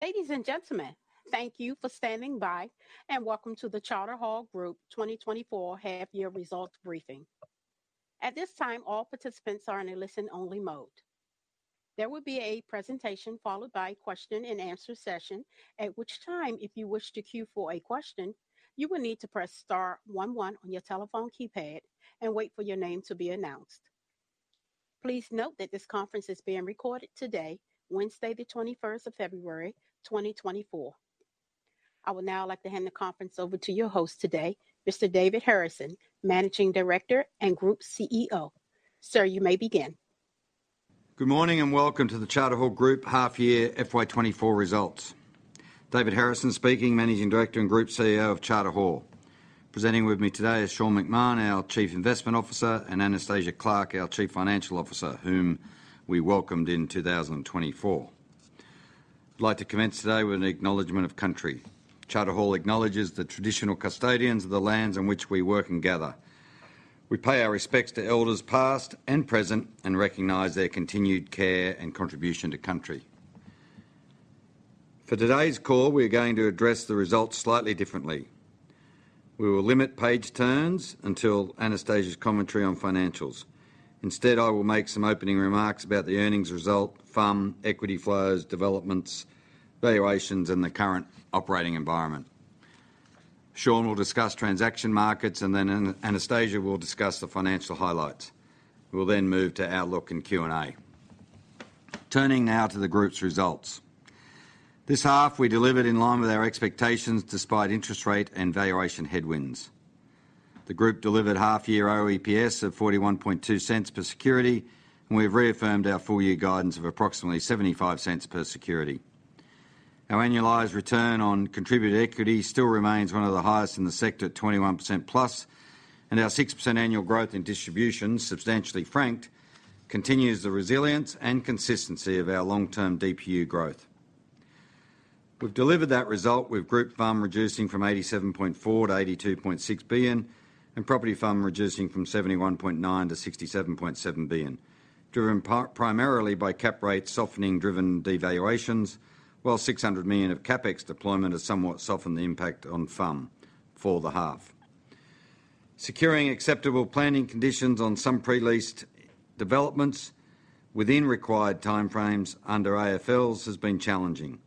Ladies and gentlemen, thank you for standing by and welcome to the Charter Hall Group 2024 Half-Year Results Briefing. At this time, all participants are in a listen-only mode. There will be a presentation followed by a question-and-answer session at which time, if you wish to cue for a question, you will need to press star 11 on your telephone keypad and wait for your name to be announced. Please note that this conference is being recorded today, Wednesday, the 21st of February, 2024. I would now like to hand the conference over to your host today, Mr. David Harrison, Managing Director and Group CEO. Sir, you may begin. Good morning and welcome to the Charter Hall Group Half-Year FY24 Results. David Harrison speaking, Managing Director and Group CEO of Charter Hall. Presenting with me today is Sean McMahon, our Chief Investment Officer, and Anastasia Clarke, our Chief Financial Officer, whom we welcomed in 2024. I'd like to commence today with an Acknowledgment of Country. Charter Hall acknowledges the traditional custodians of the lands on which we work and gather. We pay our respects to elders past and present and recognize their continued care and contribution to Country. For today's call, we are going to address the results slightly differently. We will limit page turns until Anastasia's commentary on financials. Instead, I will make some opening remarks about the earnings result, FUM, equity flows, developments, valuations, and the current operating environment. Sean will discuss transaction markets and then Anastasia will discuss the financial highlights. We will then move to outlook and Q&A. Turning now to the group's results. This half, we delivered in line with our expectations despite interest rate and valuation headwinds. The group delivered half-year OEPS of 0.412 per security and we have reaffirmed our full-year guidance of approximately 0.75 per security. Our annualized return on contributed equity still remains one of the highest in the sector, 21% plus, and our 6% annual growth in distributions, substantially franked, continues the resilience and consistency of our long-term DPU growth. We've delivered that result with group FUM reducing from 87.4 billion to 82.6 billion and property FUM reducing from 71.9 billion to 67.7 billion, driven primarily by cap rates softening-driven devaluations, while 600 million of CapEx deployment has somewhat softened the impact on FUM for the half. Securing acceptable planning conditions on some pre-leased developments within required timeframes under AFLs has been challenging,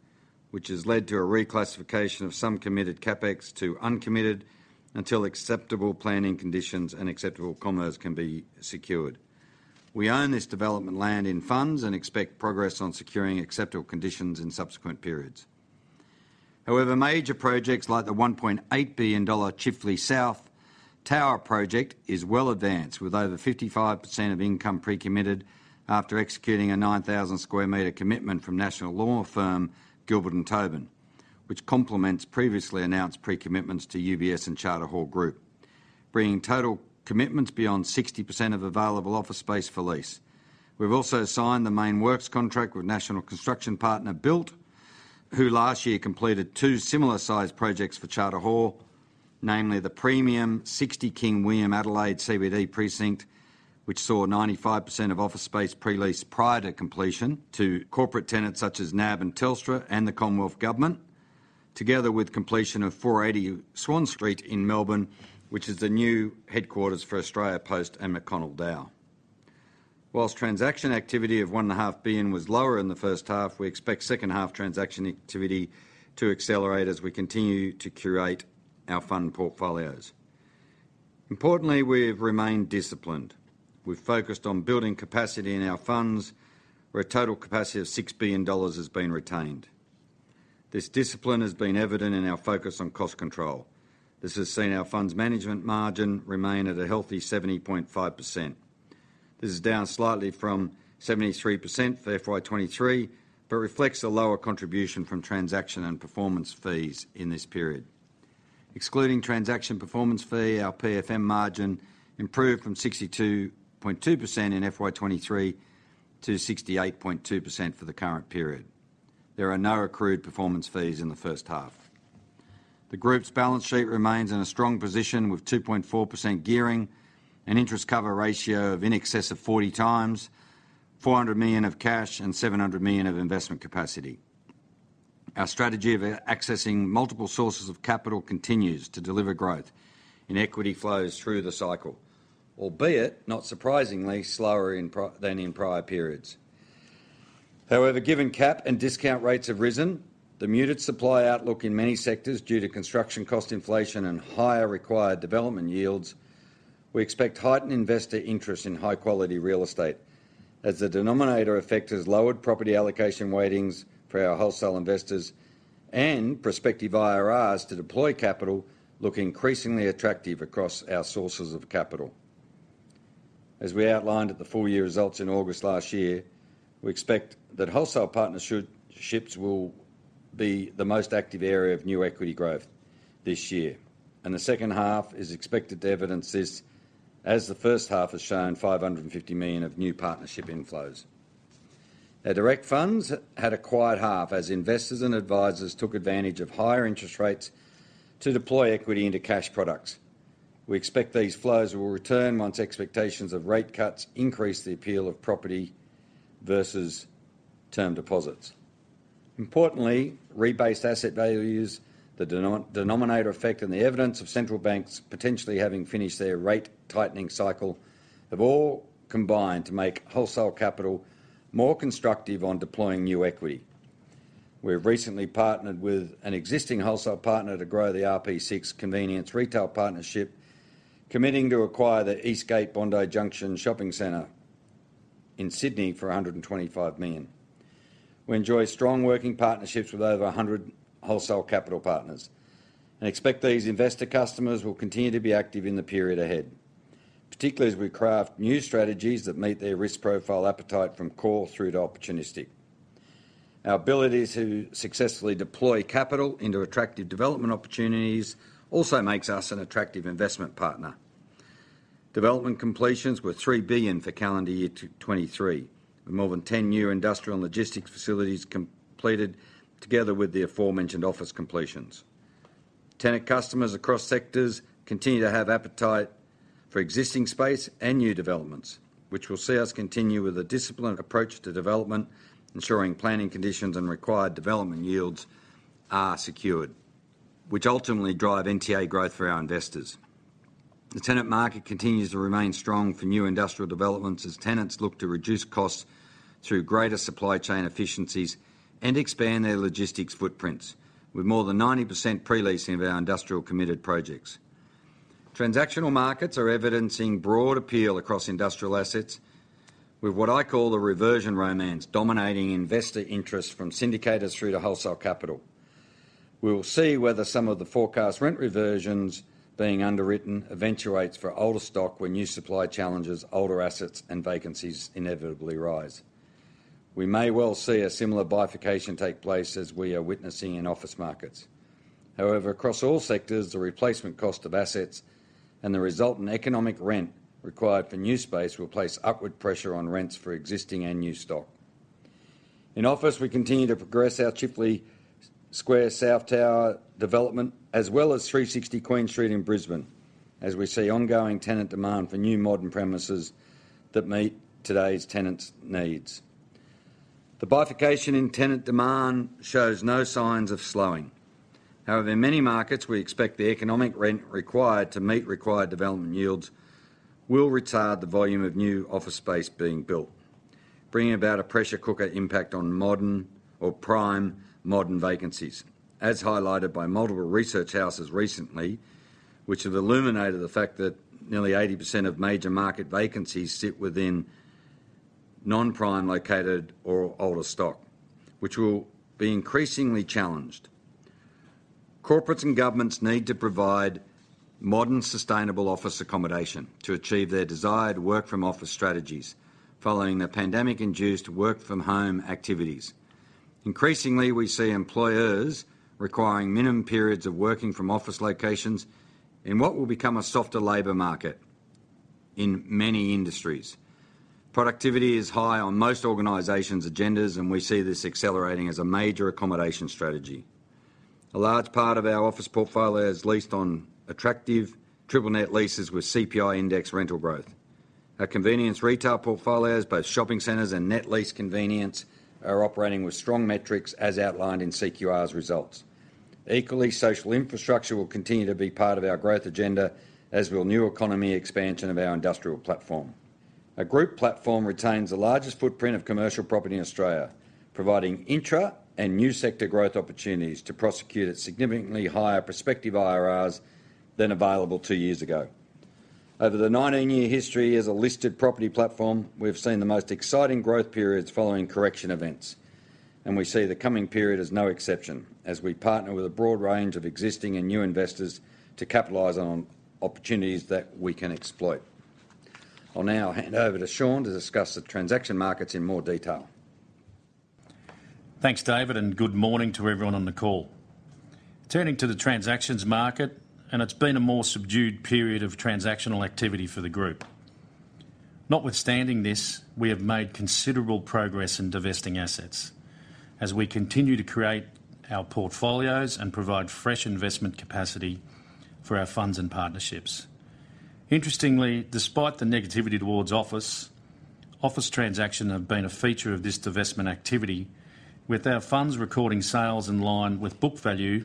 which has led to a reclassification of some committed CapEx to uncommitted until acceptable planning conditions and acceptable commerce can be secured. We own this development land in funds and expect progress on securing acceptable conditions in subsequent periods. However, major projects like the 1.8 billion dollar Chifley South Tower project is well advanced with over 55% of income pre-committed after executing a 9,000 square meter commitment from national law firm Gilbert and Tobin, which complements previously announced pre-commitments to UBS and Charter Hall Group, bringing total commitments beyond 60% of available office space for lease. We've also signed the main works contract with national construction partner Built, who last year completed two similar-sized projects for Charter Hall, namely the premium 60 King William Street Adelaide CBD Precinct, which saw 95% of office space pre-leased prior to completion to corporate tenants such as NAB and Telstra and the Commonwealth Government, together with completion of 480 Swan Street in Melbourne, which is the new headquarters for Australia Post and McConnell Dowell. While transaction activity of 1.5 billion was lower in the first half, we expect second-half transaction activity to accelerate as we continue to curate our fund portfolios. Importantly, we have remained disciplined. We've focused on building capacity in our funds where a total capacity of 6 billion dollars has been retained. This discipline has been evident in our focus on cost control. This has seen our funds management margin remain at a healthy 70.5%. This is down slightly from 73% for FY23 but reflects a lower contribution from transaction and performance fees in this period. Excluding transaction performance fee, our PFM margin improved from 62.2% in FY23 to 68.2% for the current period. There are no accrued performance fees in the first half. The group's balance sheet remains in a strong position with 2.4% gearing, an interest cover ratio of in excess of 40 times, 400 million of cash, and 700 million of investment capacity. Our strategy of accessing multiple sources of capital continues to deliver growth in equity flows through the cycle, albeit not surprisingly slower than in prior periods. However, given cap and discount rates have risen, the muted supply outlook in many sectors due to construction cost inflation and higher required development yields, we expect heightened investor interest in high-quality real estate as the denominator effect has lowered property allocation weightings for our wholesale investors and prospective IRRs to deploy capital look increasingly attractive across our sources of capital. As we outlined at the full-year results in August last year, we expect that wholesale partnerships will be the most active area of new equity growth this year, and the second half is expected to evidence this as the first half has shown 550 million of new partnership inflows. Our direct funds had a quiet half as investors and advisors took advantage of higher interest rates to deploy equity into cash products. We expect these flows will return once expectations of rate cuts increase the appeal of property versus term deposits. Importantly, rebased asset values, the denominator effect, and the evidence of central banks potentially having finished their rate-tightening cycle have all combined to make wholesale capital more constructive on deploying new equity. We have recently partnered with an existing wholesale partner to grow the RP6 Convenience Retail Partnership, committing to acquire the Eastgate Bondi Junction shopping centre in Sydney for 125 million. We enjoy strong working partnerships with over 100 wholesale capital partners and expect these investor customers will continue to be active in the period ahead, particularly as we craft new strategies that meet their risk profile appetite from core through to opportunistic. Our ability to successfully deploy capital into attractive development opportunities also makes us an attractive investment partner. Development completions were 3 billion for calendar year 2023 with more than 10 new industrial and logistics facilities completed together with the aforementioned office completions. Tenant customers across sectors continue to have appetite for existing space and new developments, which will see us continue with a disciplined approach to development, ensuring planning conditions and required development yields are secured, which ultimately drive NTA growth for our investors. The tenant market continues to remain strong for new industrial developments as tenants look to reduce costs through greater supply chain efficiencies and expand their logistics footprints with more than 90% pre-leasing of our industrial committed projects. Transactional markets are evidencing broad appeal across industrial assets with what I call a reversion romance dominating investor interest from syndicators through to wholesale capital. We will see whether some of the forecast rent reversions being underwritten eventuates for older stock when new supply challenges, older assets, and vacancies inevitably rise. We may well see a similar bifurcation take place as we are witnessing in office markets. However, across all sectors, the replacement cost of assets and the resultant economic rent required for new space will place upward pressure on rents for existing and new stock. In office, we continue to progress our Chifley Square South Tower development as well as 360 Queen Street in Brisbane as we see ongoing tenant demand for new modern premises that meet today's tenants' needs. The bifurcation in tenant demand shows no signs of slowing. However, in many markets, we expect the economic rent required to meet required development yields will retard the volume of new office space being built, bringing about a pressure cooker impact on modern or prime modern vacancies, as highlighted by multiple research houses recently, which have illuminated the fact that nearly 80% of major market vacancies sit within non-prime located or older stock, which will be increasingly challenged. Corporates and governments need to provide modern, sustainable office accommodation to achieve their desired work-from-office strategies following the pandemic-induced work-from-home activities. Increasingly, we see employers requiring minimum periods of working-from-office locations in what will become a softer labor market in many industries. Productivity is high on most organizations' agendas, and we see this accelerating as a major accommodation strategy. A large part of our office portfolio is leased on attractive triple net leases with CPI-index rental growth. Our convenience retail portfolios, both shopping centers and net lease convenience, are operating with strong metrics as outlined in CQR's results. Equally, social infrastructure will continue to be part of our growth agenda as will new economy expansion of our industrial platform. Our group platform retains the largest footprint of commercial property in Australia, providing intra- and new sector growth opportunities to prosecute at significantly higher prospective IRRs than available two years ago. Over the 19-year history as a listed property platform, we have seen the most exciting growth periods following correction events, and we see the coming period as no exception as we partner with a broad range of existing and new investors to capitalize on opportunities that we can exploit. I'll now hand over to Sean to discuss the transaction markets in more detail. Thanks, David, and good morning to everyone on the call. Turning to the transactions market, and it's been a more subdued period of transactional activity for the group. Notwithstanding this, we have made considerable progress in divesting assets as we continue to curate our portfolios and provide fresh investment capacity for our funds and partnerships. Interestingly, despite the negativity towards office, office transactions have been a feature of this divestment activity with our funds recording sales in line with book value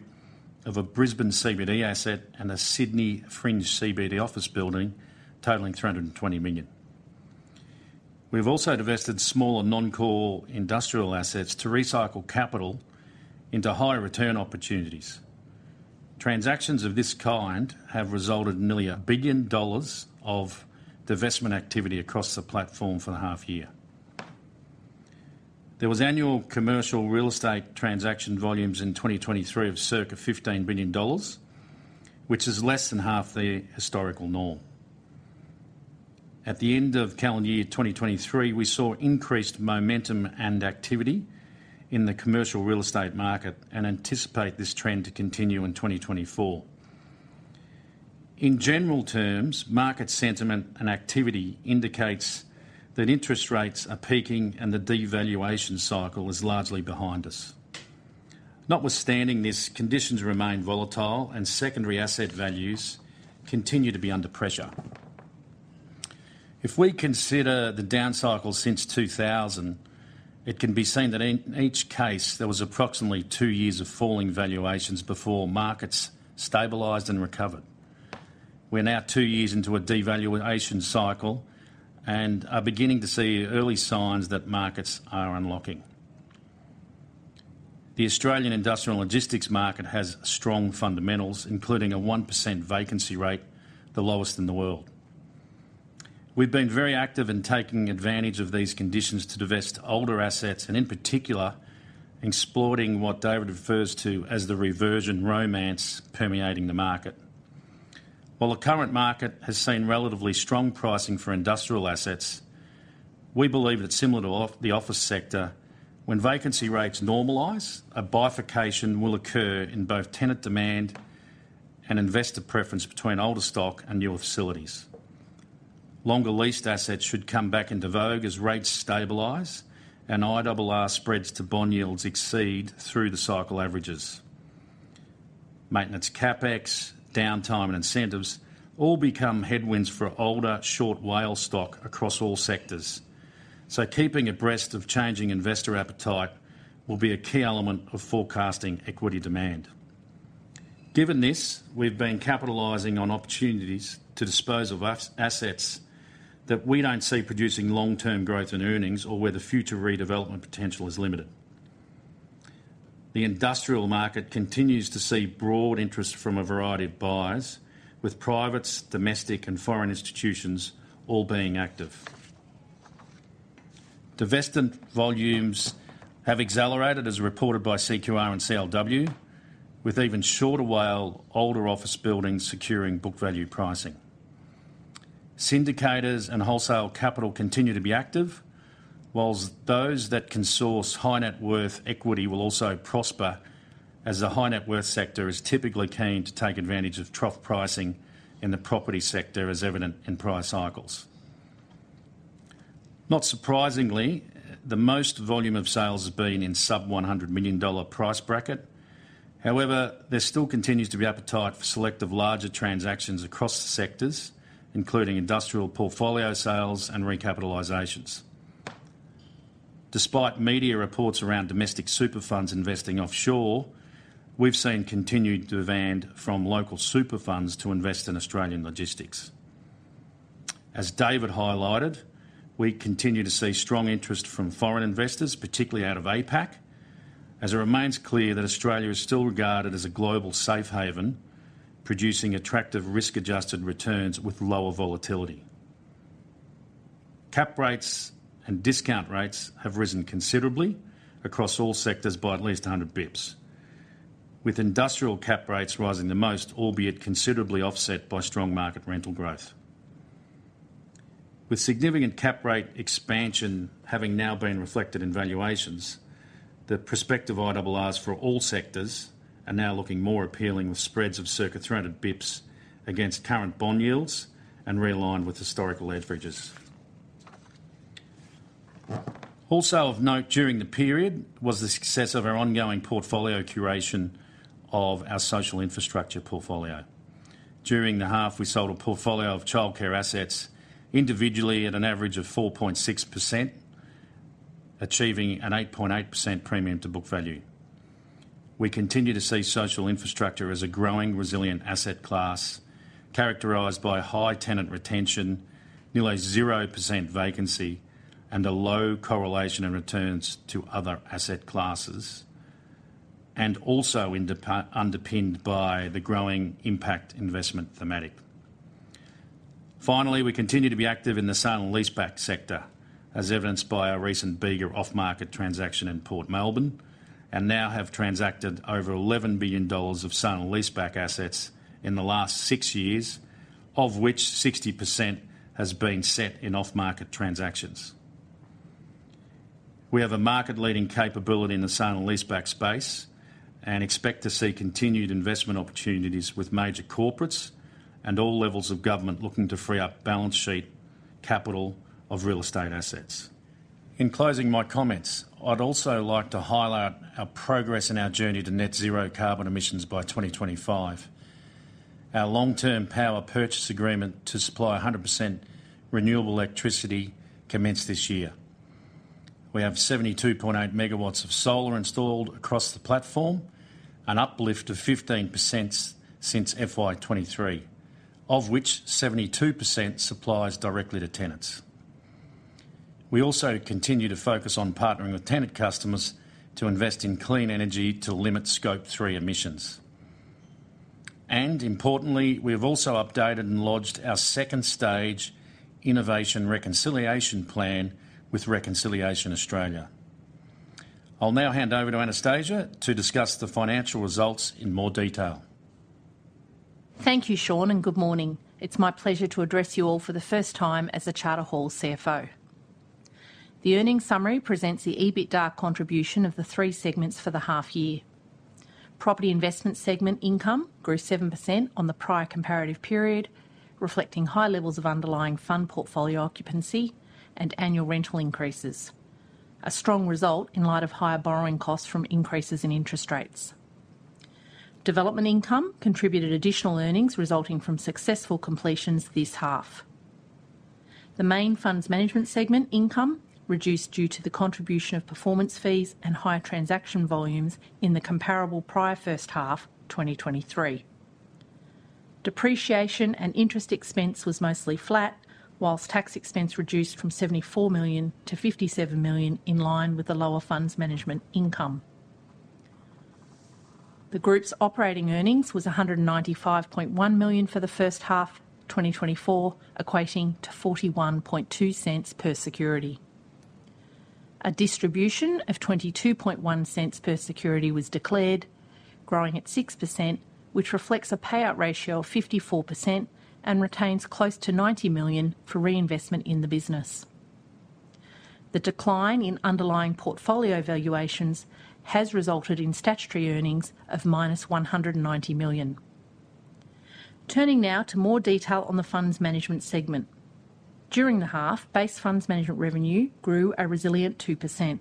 of a Brisbane CBD asset and a Sydney Fringe CBD office building totaling 320 million. We have also divested smaller non-core industrial assets to recycle capital into higher return opportunities. Transactions of this kind have resulted in nearly 1 billion dollars of divestment activity across the platform for the half year. There were annual commercial real estate transaction volumes in 2023 of circa 15 billion dollars, which is less than half the historical norm. At the end of calendar year 2023, we saw increased momentum and activity in the commercial real estate market and anticipate this trend to continue in 2024. In general terms, market sentiment and activity indicate that interest rates are peaking and the devaluation cycle is largely behind us. Notwithstanding this, conditions remain volatile and secondary asset values continue to be under pressure. If we consider the down cycle since 2000, it can be seen that in each case there were approximately two years of falling valuations before markets stabilized and recovered. We are now two years into a devaluation cycle and are beginning to see early signs that markets are unlocking. The Australian industrial and logistics market has strong fundamentals, including a 1% vacancy rate, the lowest in the world. We have been very active in taking advantage of these conditions to divest older assets and, in particular, exploring what David refers to as the reversion romance permeating the market. While the current market has seen relatively strong pricing for industrial assets, we believe that similar to the office sector, when vacancy rates normalize, a bifurcation will occur in both tenant demand and investor preference between older stock and newer facilities. Longer leased assets should come back into vogue as rates stabilize and IRR spreads to bond yields exceed through the cycle averages. Maintenance CapEx, downtime, and incentives all become headwinds for older, short WALE stock across all sectors, so keeping abreast of changing investor appetite will be a key element of forecasting equity demand. Given this, we have been capitalizing on opportunities to dispose of assets that we don't see producing long-term growth in earnings or where the future redevelopment potential is limited. The industrial market continues to see broad interest from a variety of buyers, with private, domestic, and foreign institutions all being active. Divestment volumes have accelerated, as reported by CQR and CLW, with even shorter WALE older office buildings securing book value pricing. Syndicators and wholesale capital continue to be active, while those that can source high net worth equity will also prosper as the high net worth sector is typically keen to take advantage of trough pricing in the property sector, as evident in price cycles. Not surprisingly, the most volume of sales has been in sub-AUD 100 million price bracket. However, there still continues to be appetite for selective larger transactions across the sectors, including industrial portfolio sales and recapitalizations. Despite media reports around domestic super funds investing offshore, we have seen continued demand from local super funds to invest in Australian logistics. As David highlighted, we continue to see strong interest from foreign investors, particularly out of APAC, as it remains clear that Australia is still regarded as a global safe haven producing attractive risk-adjusted returns with lower volatility. Cap rates and discount rates have risen considerably across all sectors by at least 100 basis points, with industrial cap rates rising the most, albeit considerably offset by strong market rental growth. With significant cap rate expansion having now been reflected in valuations, the prospective IRRs for all sectors are now looking more appealing with spreads of circa 300 basis points against current bond yields and realigned with historical leverages. Also of note during the period was the success of our ongoing portfolio curation of our social infrastructure portfolio. During the half, we sold a portfolio of childcare assets individually at an average of 4.6%, achieving an 8.8% premium to book value. We continue to see social infrastructure as a growing, resilient asset class characterized by high tenant retention, nearly 0% vacancy, and a low correlation in returns to other asset classes, and also underpinned by the growing impact investment thematic. Finally, we continue to be active in the sale leaseback sector, as evidenced by our recent Bega off-market transaction in Port Melbourne, and now have transacted over AUD 11 billion of sale leaseback assets in the last six years, of which 60% has been set in off-market transactions. We have a market-leading capability in the sale leaseback space and expect to see continued investment opportunities with major corporates and all levels of government looking to free up balance sheet capital of real estate assets. In closing my comments, I would also like to highlight our progress in our journey to net-zero carbon emissions by 2025. Our long-term power purchase agreement to supply 100% renewable electricity commenced this year. We have 72.8 megawatts of solar installed across the platform, an uplift of 15% since FY23, of which 72% supplies directly to tenants. We also continue to focus on partnering with tenant customers to invest in clean energy to limit Scope 3 emissions. And importantly, we have also updated and lodged our second stage innovation reconciliation plan with Reconciliation Australia. I will now hand over to Anastasia to discuss the financial results in more detail. Thank you, Sean, and good morning. It's my pleasure to address you all for the first time as the Charter Hall CFO. The earnings summary presents the EBITDA contribution of the three segments for the half year. Property investment segment income grew 7% on the prior comparative period, reflecting high levels of underlying fund portfolio occupancy and annual rental increases, a strong result in light of higher borrowing costs from increases in interest rates. Development income contributed additional earnings resulting from successful completions this half. The main funds management segment income reduced due to the contribution of performance fees and higher transaction volumes in the comparable prior first half, 2023. Depreciation and interest expense was mostly flat, while tax expense reduced from 74 million to 57 million in line with the lower funds management income. The group's operating earnings were 195.1 million for the first half, 2024, equating to 0.412 per security. A distribution of 0.221 per security was declared, growing at 6%, which reflects a payout ratio of 54% and retains close to 90 million for reinvestment in the business. The decline in underlying portfolio valuations has resulted in statutory earnings of -190 million. Turning now to more detail on the funds management segment. During the half, base funds management revenue grew a resilient 2%.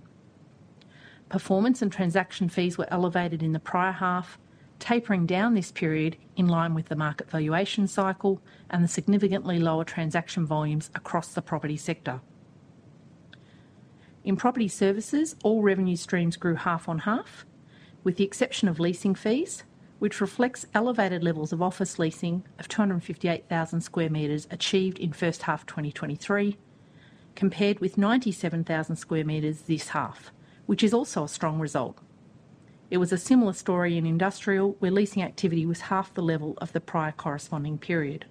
Performance and transaction fees were elevated in the prior half, tapering down this period in line with the market valuation cycle and the significantly lower transaction volumes across the property sector. In property services, all revenue streams grew half on half, with the exception of leasing fees, which reflects elevated levels of office leasing of 258,000 square meters achieved in first half 2023, compared with 97,000 square meters this half, which is also a strong result. It was a similar story in industrial, where leasing activity was half the level of the prior corresponding period.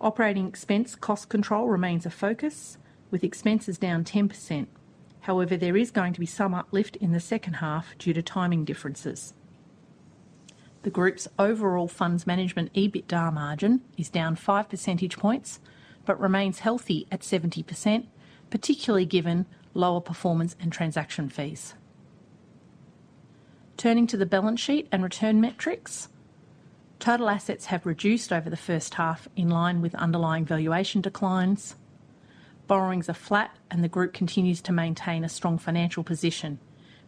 Operating expense cost control remains a focus, with expenses down 10%. However, there is going to be some uplift in the second half due to timing differences. The group's overall funds management EBITDA margin is down five percentage points but remains healthy at 70%, particularly given lower performance and transaction fees. Turning to the balance sheet and return metrics, total assets have reduced over the first half in line with underlying valuation declines. Borrowings are flat and the group continues to maintain a strong financial position,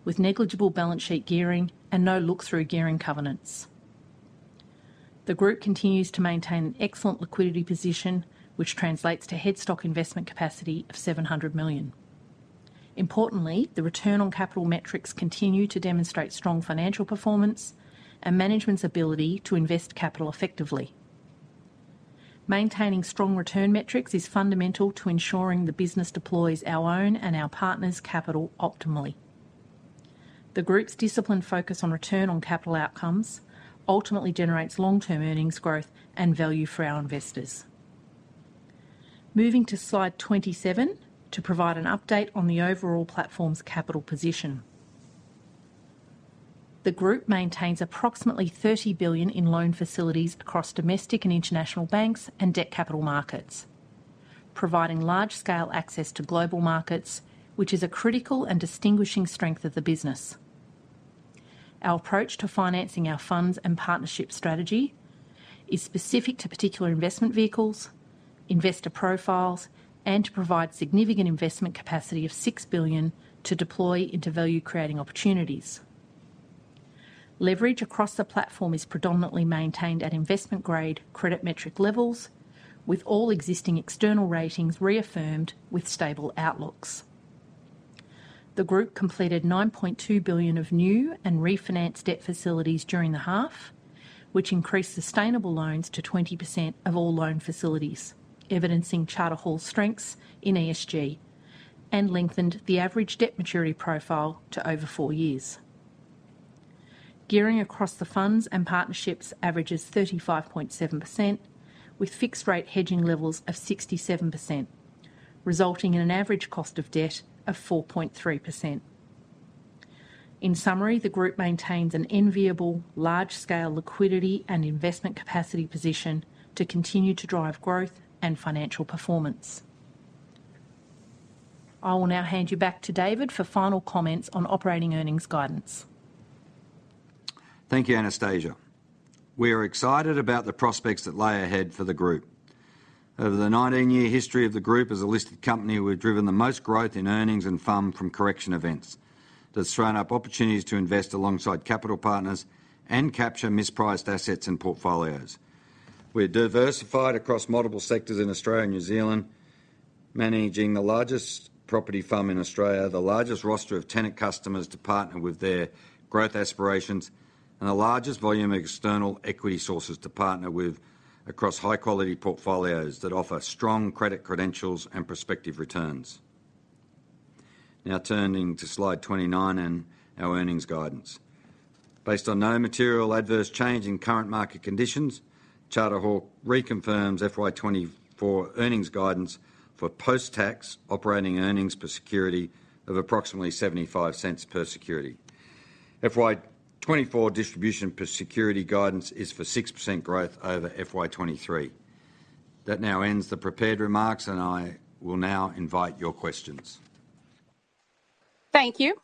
with negligible balance sheet gearing and no look-through gearing covenants. The group continues to maintain an excellent liquidity position, which translates to headroom investment capacity of 700 million. Importantly, the return on capital metrics continue to demonstrate strong financial performance and management's ability to invest capital effectively. Maintaining strong return metrics is fundamental to ensuring the business deploys our own and our partners' capital optimally. The group's disciplined focus on return on capital outcomes ultimately generates long-term earnings growth and value for our investors. Moving to slide 27 to provide an update on the overall platform's capital position. The group maintains approximately 30 billion in loan facilities across domestic and international banks and debt capital markets, providing large-scale access to global markets, which is a critical and distinguishing strength of the business. Our approach to financing our funds and partnership strategy is specific to particular investment vehicles, investor profiles, and to provide significant investment capacity of 6 billion to deploy into value-creating opportunities. Leverage across the platform is predominantly maintained at investment-grade credit metric levels, with all existing external ratings reaffirmed with stable outlooks. The group completed 9.2 billion of new and refinanced debt facilities during the half, which increased sustainable loans to 20% of all loan facilities, evidencing Charter Hall strengths in ESG, and lengthened the average debt maturity profile to over four years. Gearing across the funds and partnerships averages 35.7%, with fixed-rate hedging levels of 67%, resulting in an average cost of debt of 4.3%. In summary, the group maintains an enviable, large-scale liquidity and investment capacity position to continue to drive growth and financial performance. I will now hand you back to David for final comments on operating earnings guidance. Thank you, Anastasia. We are excited about the prospects that lay ahead for the group. Over the 19-year history of the group as a listed company, we have driven the most growth in earnings and fund from correction events. There have sprung up opportunities to invest alongside capital partners and capture mispriced assets in portfolios. We are diversified across multiple sectors in Australia and New Zealand, managing the largest property fund in Australia, the largest roster of tenant customers to partner with their growth aspirations, and the largest volume of external equity sources to partner with across high-quality portfolios that offer strong credit credentials and prospective returns. Now turning to slide 29 and our earnings guidance. Based on no material adverse change in current market conditions, Charter Hall reconfirms FY24 earnings guidance for post-tax operating earnings per security of approximately 0.75 per security. FY 2024 distribution per security guidance is for 6% growth over FY 2023. That now ends the prepared remarks, and I will now invite your questions. Thank you.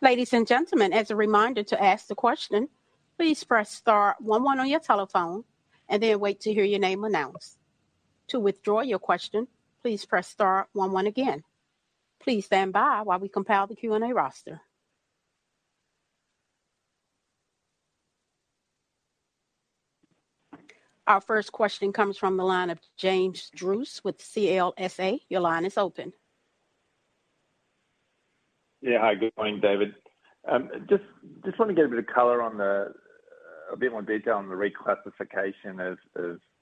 Ladies and gentlemen, as a reminder to ask the question, please press STAR 11 on your telephone and then wait to hear your name announced. To withdraw your question, please press STAR 11 again. Please stand by while we compile the Q&A roster. Our first question comes from the line of James Druce with CLSA. Your line is open. Yeah, hi. Good morning, David. Just want to get a bit of color on a bit more detail on the reclassification of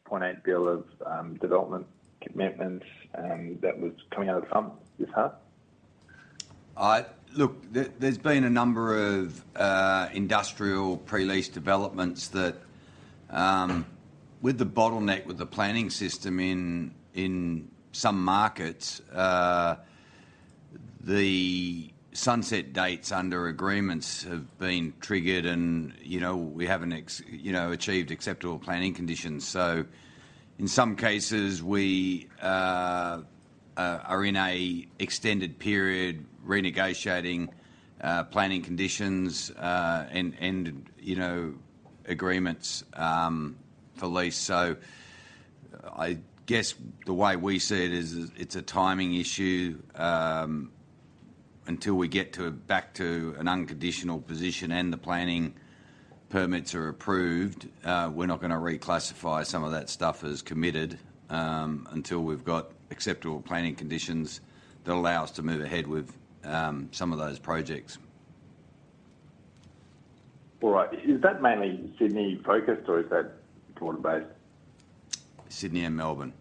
0.8 billion of development commitments that was coming out of the fund this half. Look, there's been a number of industrial pre-lease developments that with the bottleneck with the planning system in some markets, the sunset dates under agreements have been triggered and we haven't achieved acceptable planning conditions. So, in some cases, we are in an extended period renegotiating planning conditions and agreements for lease. So, I guess the way we see it is it's a timing issue. Until we get back to an unconditional position and the planning permits are approved, we're not going to reclassify some of that stuff as committed until we've got acceptable planning conditions that allow us to move ahead with some of those projects. All right. Is that mainly Sydney-focused or is that Melbourne-based? Sydney and Melbourne.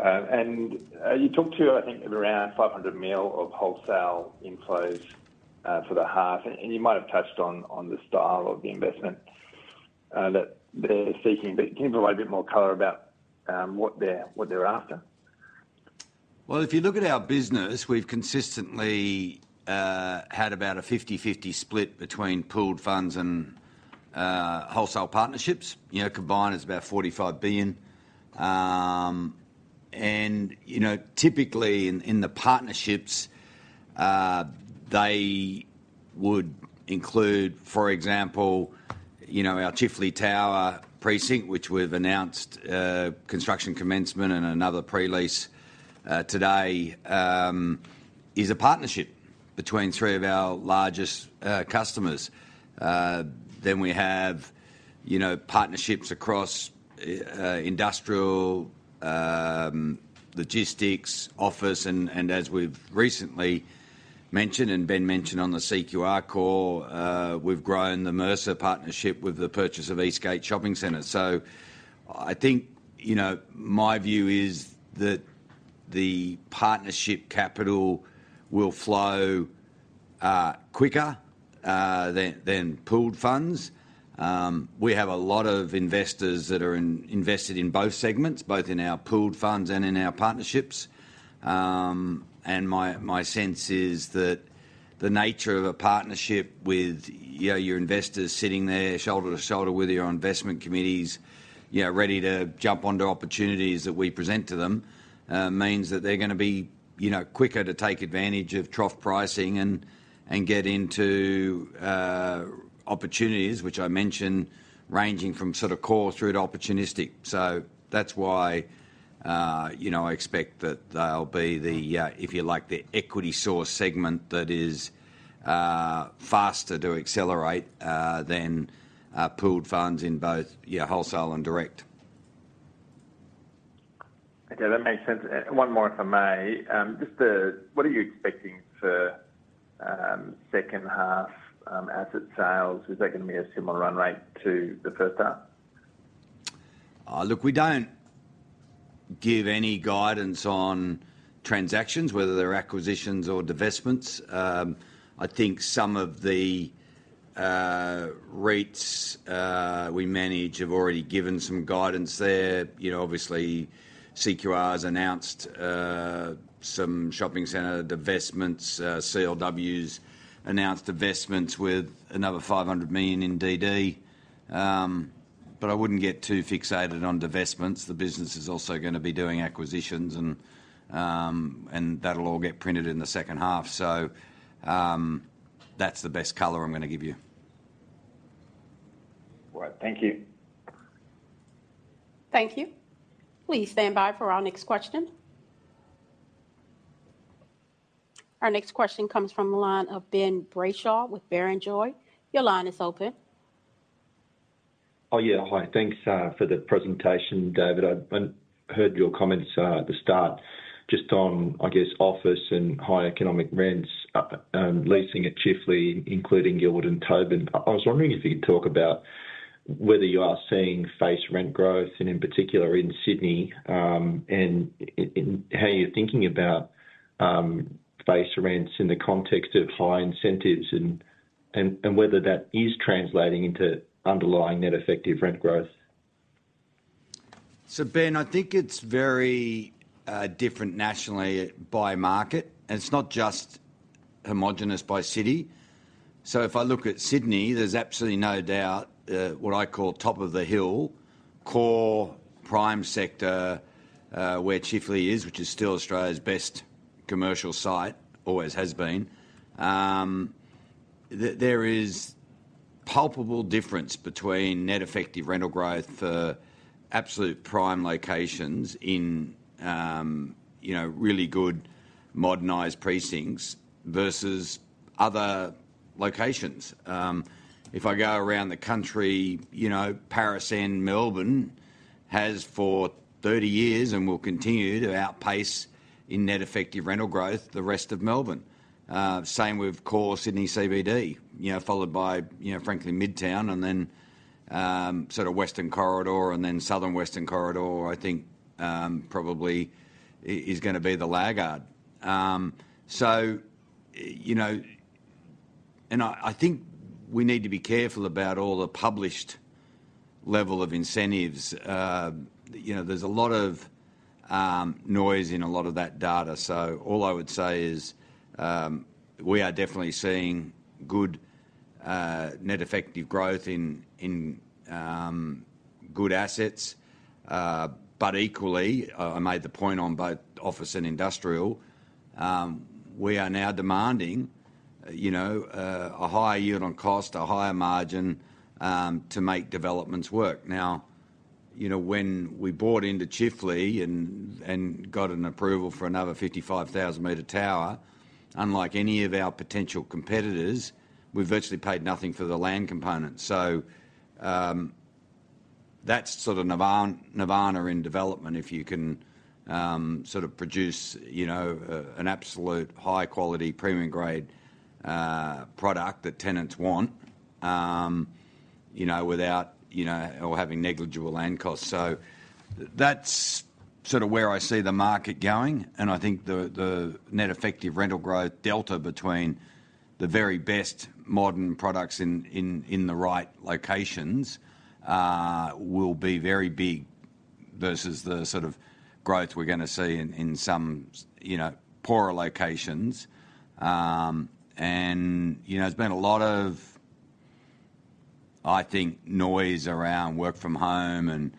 Okay. You talked to, I think, around 500 million of wholesale inflows for the half, and you might have touched on the style of the investment that they're seeking. But can you provide a bit more color about what they're after? Well, if you look at our business, we've consistently had about a 50/50 split between pooled funds and wholesale partnerships. Combined, it's about 45 billion. And typically, in the partnerships, they would include, for example, our Chifley Tower Precinct, which we've announced construction commencement and another pre-lease today, is a partnership between three of our largest customers. Then we have partnerships across industrial, logistics, office, and as we've recently mentioned and been mentioned on the CQR call, we've grown the Mercer partnership with the purchase of Eastgate Shopping Centre. So, I think my view is that the partnership capital will flow quicker than pooled funds. We have a lot of investors that are invested in both segments, both in our pooled funds and in our partnerships. My sense is that the nature of a partnership with your investors sitting there shoulder to shoulder with your investment committees, ready to jump onto opportunities that we present to them, means that they're going to be quicker to take advantage of trough pricing and get into opportunities, which I mentioned, ranging from sort of core through to opportunistic. So, that's why I expect that they'll be the, if you like, the equity source segment that is faster to accelerate than pooled funds in both wholesale and direct. Okay. That makes sense. One more, if I may. What are you expecting for second half asset sales? Is that going to be a similar run rate to the first half? Look, we don't give any guidance on transactions, whether they're acquisitions or divestments. I think some of the REITs we manage have already given some guidance there. Obviously, CQR has announced some shopping center divestments. CLW has announced divestments with another 500 million in DD. But I wouldn't get too fixated on divestments. The business is also going to be doing acquisitions, and that'll all get printed in the second half. So, that's the best color I'm going to give you. All right. Thank you. Thank you. Please stand by for our next question. Our next question comes from the line of Ben Brayshaw with Barrenjoey. Your line is open. Oh, yeah. Hi. Thanks for the presentation, David. I heard your comments at the start just on, I guess, office and high economic rents, leasing at Chifley, including Gilbert and Tobin. I was wondering if you could talk about whether you are seeing face rent growth, and in particular in Sydney, and how you're thinking about face rents in the context of high incentives and whether that is translating into underlying net effective rent growth. So, Ben, I think it's very different nationally by market, and it's not just homogeneous by city. So, if I look at Sydney, there's absolutely no doubt what I call top of the hill, core prime sector where Chifley is, which is still Australia's best commercial site, always has been. There is palpable difference between net effective rental growth for absolute prime locations in really good modernized precincts versus other locations. If I go around the country, Paris End, Melbourne has for 30 years and will continue to outpace in net effective rental growth the rest of Melbourne. Same with, of course, Sydney CBD, followed by, frankly, Midtown and then sort of Western Corridor and then Southern Western Corridor, I think, probably is going to be the laggard. And I think we need to be careful about all the published level of incentives. There's a lot of noise in a lot of that data. So, all I would say is we are definitely seeing good net effective growth in good assets. But equally, I made the point on both office and industrial, we are now demanding a higher yield on cost, a higher margin to make developments work. Now, when we bought into Chifley and got an approval for another 55,000-meter tower, unlike any of our potential competitors, we virtually paid nothing for the land component. So, that's sort of Nirvana in development, if you can sort of produce an absolute high-quality, premium-grade product that tenants want without or having negligible land costs. So, that's sort of where I see the market going. I think the net effective rental growth delta between the very best modern products in the right locations will be very big versus the sort of growth we're going to see in some poorer locations. And there's been a lot of, I think, noise around work-from-home and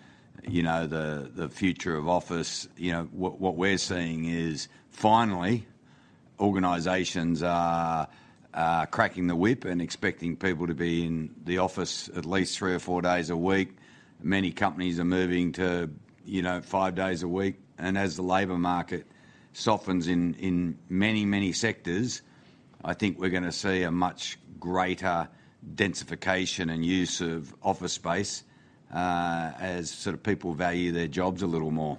the future of office. What we're seeing is, finally, organizations are cracking the whip and expecting people to be in the office at least three or four days a week. Many companies are moving to five days a week. And as the labor market softens in many, many sectors, I think we're going to see a much greater densification and use of office space as sort of people value their jobs a little more.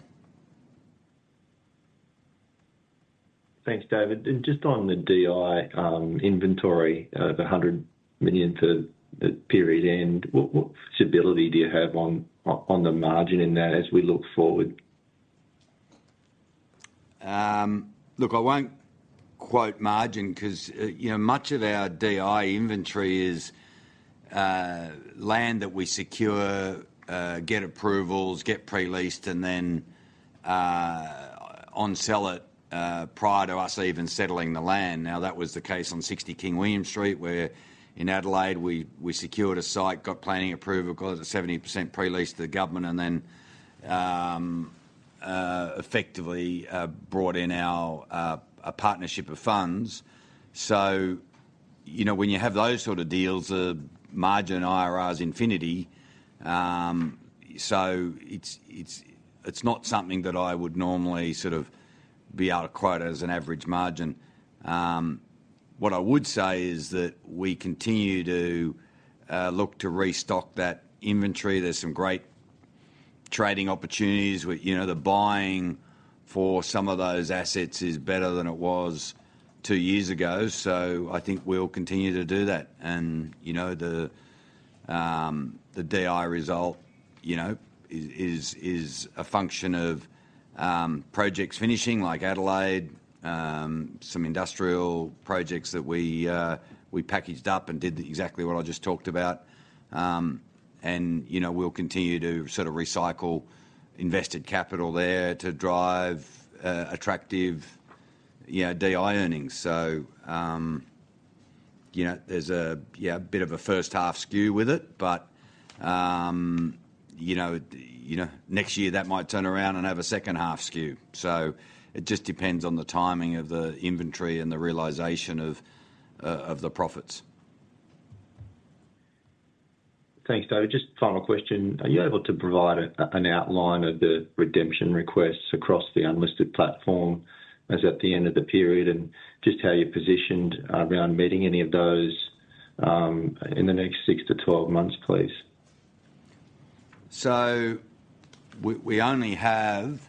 Thanks, David. And just on the DI inventory of 100 million for the period end, what stability do you have on the margin in that as we look forward? Look, I won't quote margin because much of our DI inventory is land that we secure, get approvals, get pre-leased, and then onsell it prior to us even settling the land. Now, that was the case on 60 King William Street, where in Adelaide, we secured a site, got planning approval, got it to 70% pre-leased to the government, and then effectively brought in our partnership of funds. So, when you have those sort of deals, the margin IRR is infinity. So, it's not something that I would normally sort of be able to quote as an average margin. What I would say is that we continue to look to restock that inventory. There's some great trading opportunities. The buying for some of those assets is better than it was two years ago. So, I think we'll continue to do that. The DI result is a function of projects finishing like Adelaide, some industrial projects that we packaged up and did exactly what I just talked about. We'll continue to sort of recycle invested capital there to drive attractive DI earnings. So, there's a bit of a first half skew with it. But next year, that might turn around and have a second half skew. So, it just depends on the timing of the inventory and the realization of the profits. Thanks, David. Just final question. Are you able to provide an outline of the redemption requests across the unlisted platform as at the end of the period and just how you're positioned around meeting any of those in the next 6-12 months, please? So, we only have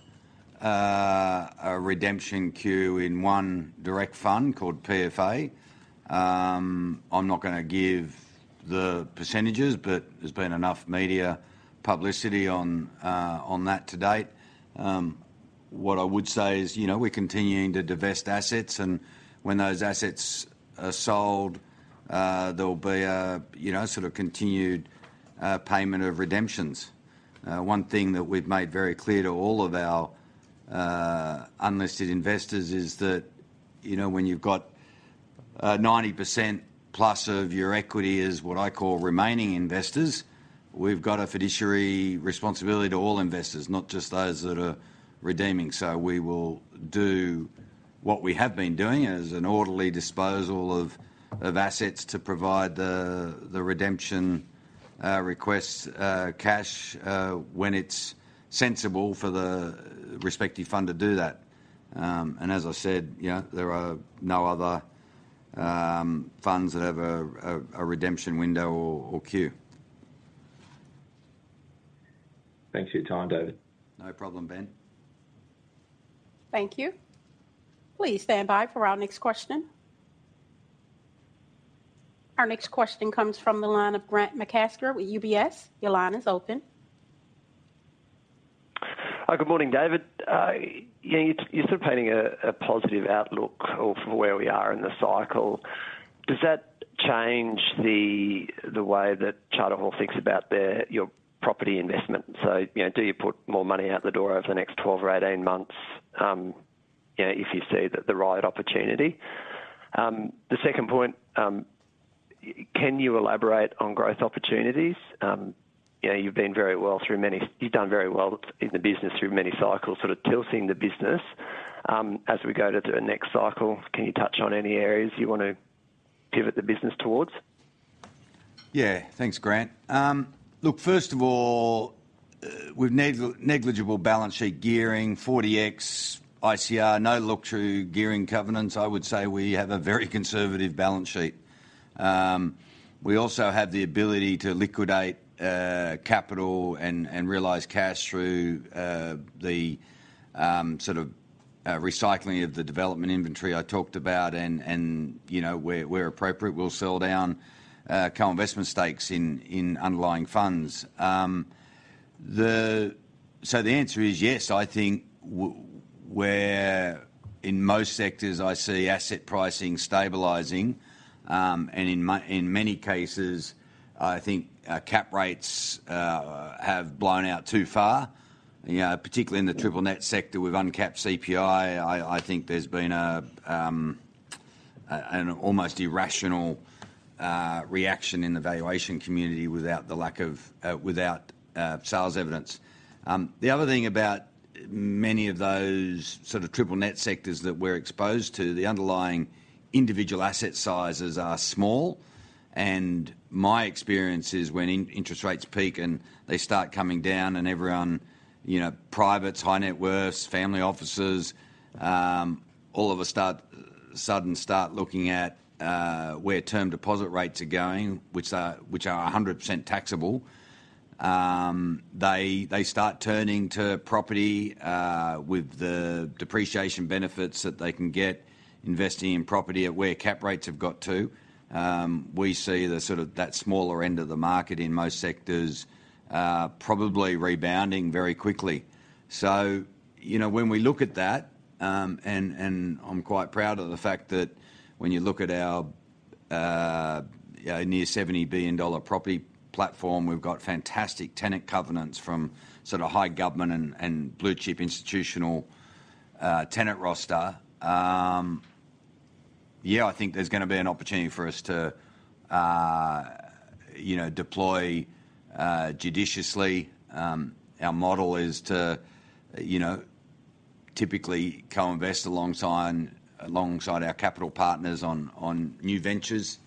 a redemption queue in one direct fund called PFA. I'm not going to give the percentages, but there's been enough media publicity on that to date. What I would say is we're continuing to divest assets. And when those assets are sold, there'll be a sort of continued payment of redemptions. One thing that we've made very clear to all of our unlisted investors is that when you've got 90%+ of your equity as what I call remaining investors, we've got a fiduciary responsibility to all investors, not just those that are redeeming. So, we will do what we have been doing as an orderly disposal of assets to provide the redemption request cash when it's sensible for the respective fund to do that. And as I said, there are no other funds that have a redemption window or queue. Thanks for your time, David. No problem, Ben. Thank you. Please stand by for our next question. Our next question comes from the line of Grant McCasker with UBS. Your line is open. Good morning, David. You're sort of painting a positive outlook for where we are in the cycle. Does that change the way that Charter Hall thinks about your property investment? So, do you put more money out the door over the next 12 or 18 months if you see the right opportunity? The second point, can you elaborate on growth opportunities? You've done very well in the business through many cycles, sort of tilting the business. As we go to the next cycle, can you touch on any areas you want to pivot the business towards? Yeah. Thanks, Grant. Look, first of all, we've negligible balance sheet gearing, 40x ICR, no look-through gearing covenants. I would say we have a very conservative balance sheet. We also have the ability to liquidate capital and realize cash through the sort of recycling of the development inventory I talked about and where appropriate, we'll sell down co-investment stakes in underlying funds. So, the answer is yes. I think where, in most sectors, I see asset pricing stabilising. And in many cases, I think cap rates have blown out too far, particularly in the triple net sector with uncapped CPI. I think there's been an almost irrational reaction in the valuation community without the lack of sales evidence. The other thing about many of those sort of triple net sectors that we're exposed to, the underlying individual asset sizes are small. My experience is when interest rates peak and they start coming down and everyone, privates, high net worths, family offices, all of a sudden start looking at where term deposit rates are going, which are 100% taxable, they start turning to property with the depreciation benefits that they can get investing in property at where cap rates have got to. We see the sort of that smaller end of the market in most sectors probably rebounding very quickly. So, when we look at that and I'm quite proud of the fact that when you look at our near-AUD 70 billion property platform, we've got fantastic tenant covenants from sort of high government and blue-chip institutional tenant roster, yeah, I think there's going to be an opportunity for us to deploy judiciously. Our model is to typically co-invest alongside our capital partners on new ventures.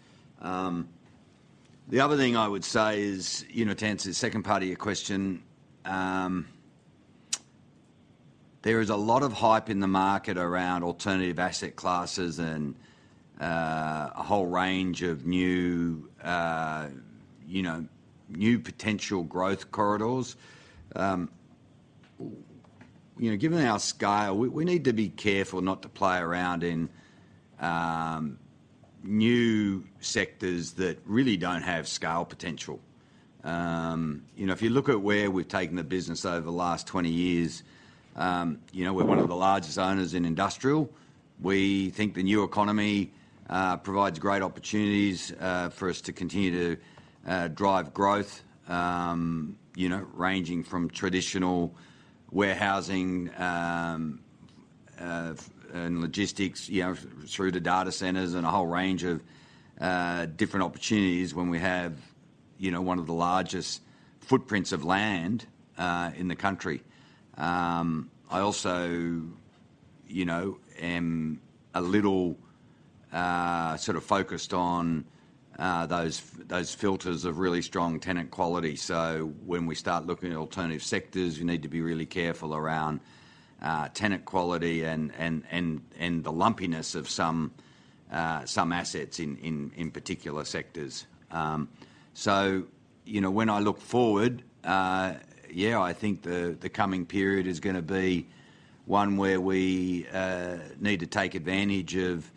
The other thing I would say is, to answer the second part of your question, there is a lot of hype in the market around alternative asset classes and a whole range of new potential growth corridors. Given our scale, we need to be careful not to play around in new sectors that really don't have scale potential. If you look at where we've taken the business over the last 20 years, we're one of the largest owners in industrial. We think the new economy provides great opportunities for us to continue to drive growth ranging from traditional warehousing and logistics through to data centres and a whole range of different opportunities when we have one of the largest footprints of land in the country. I also am a little sort of focused on those filters of really strong tenant quality. So, when we start looking at alternative sectors, we need to be really careful around tenant quality and the lumpiness of some assets in particular sectors. So, when I look forward, yeah, I think the coming period is going to be one where we need to take advantage of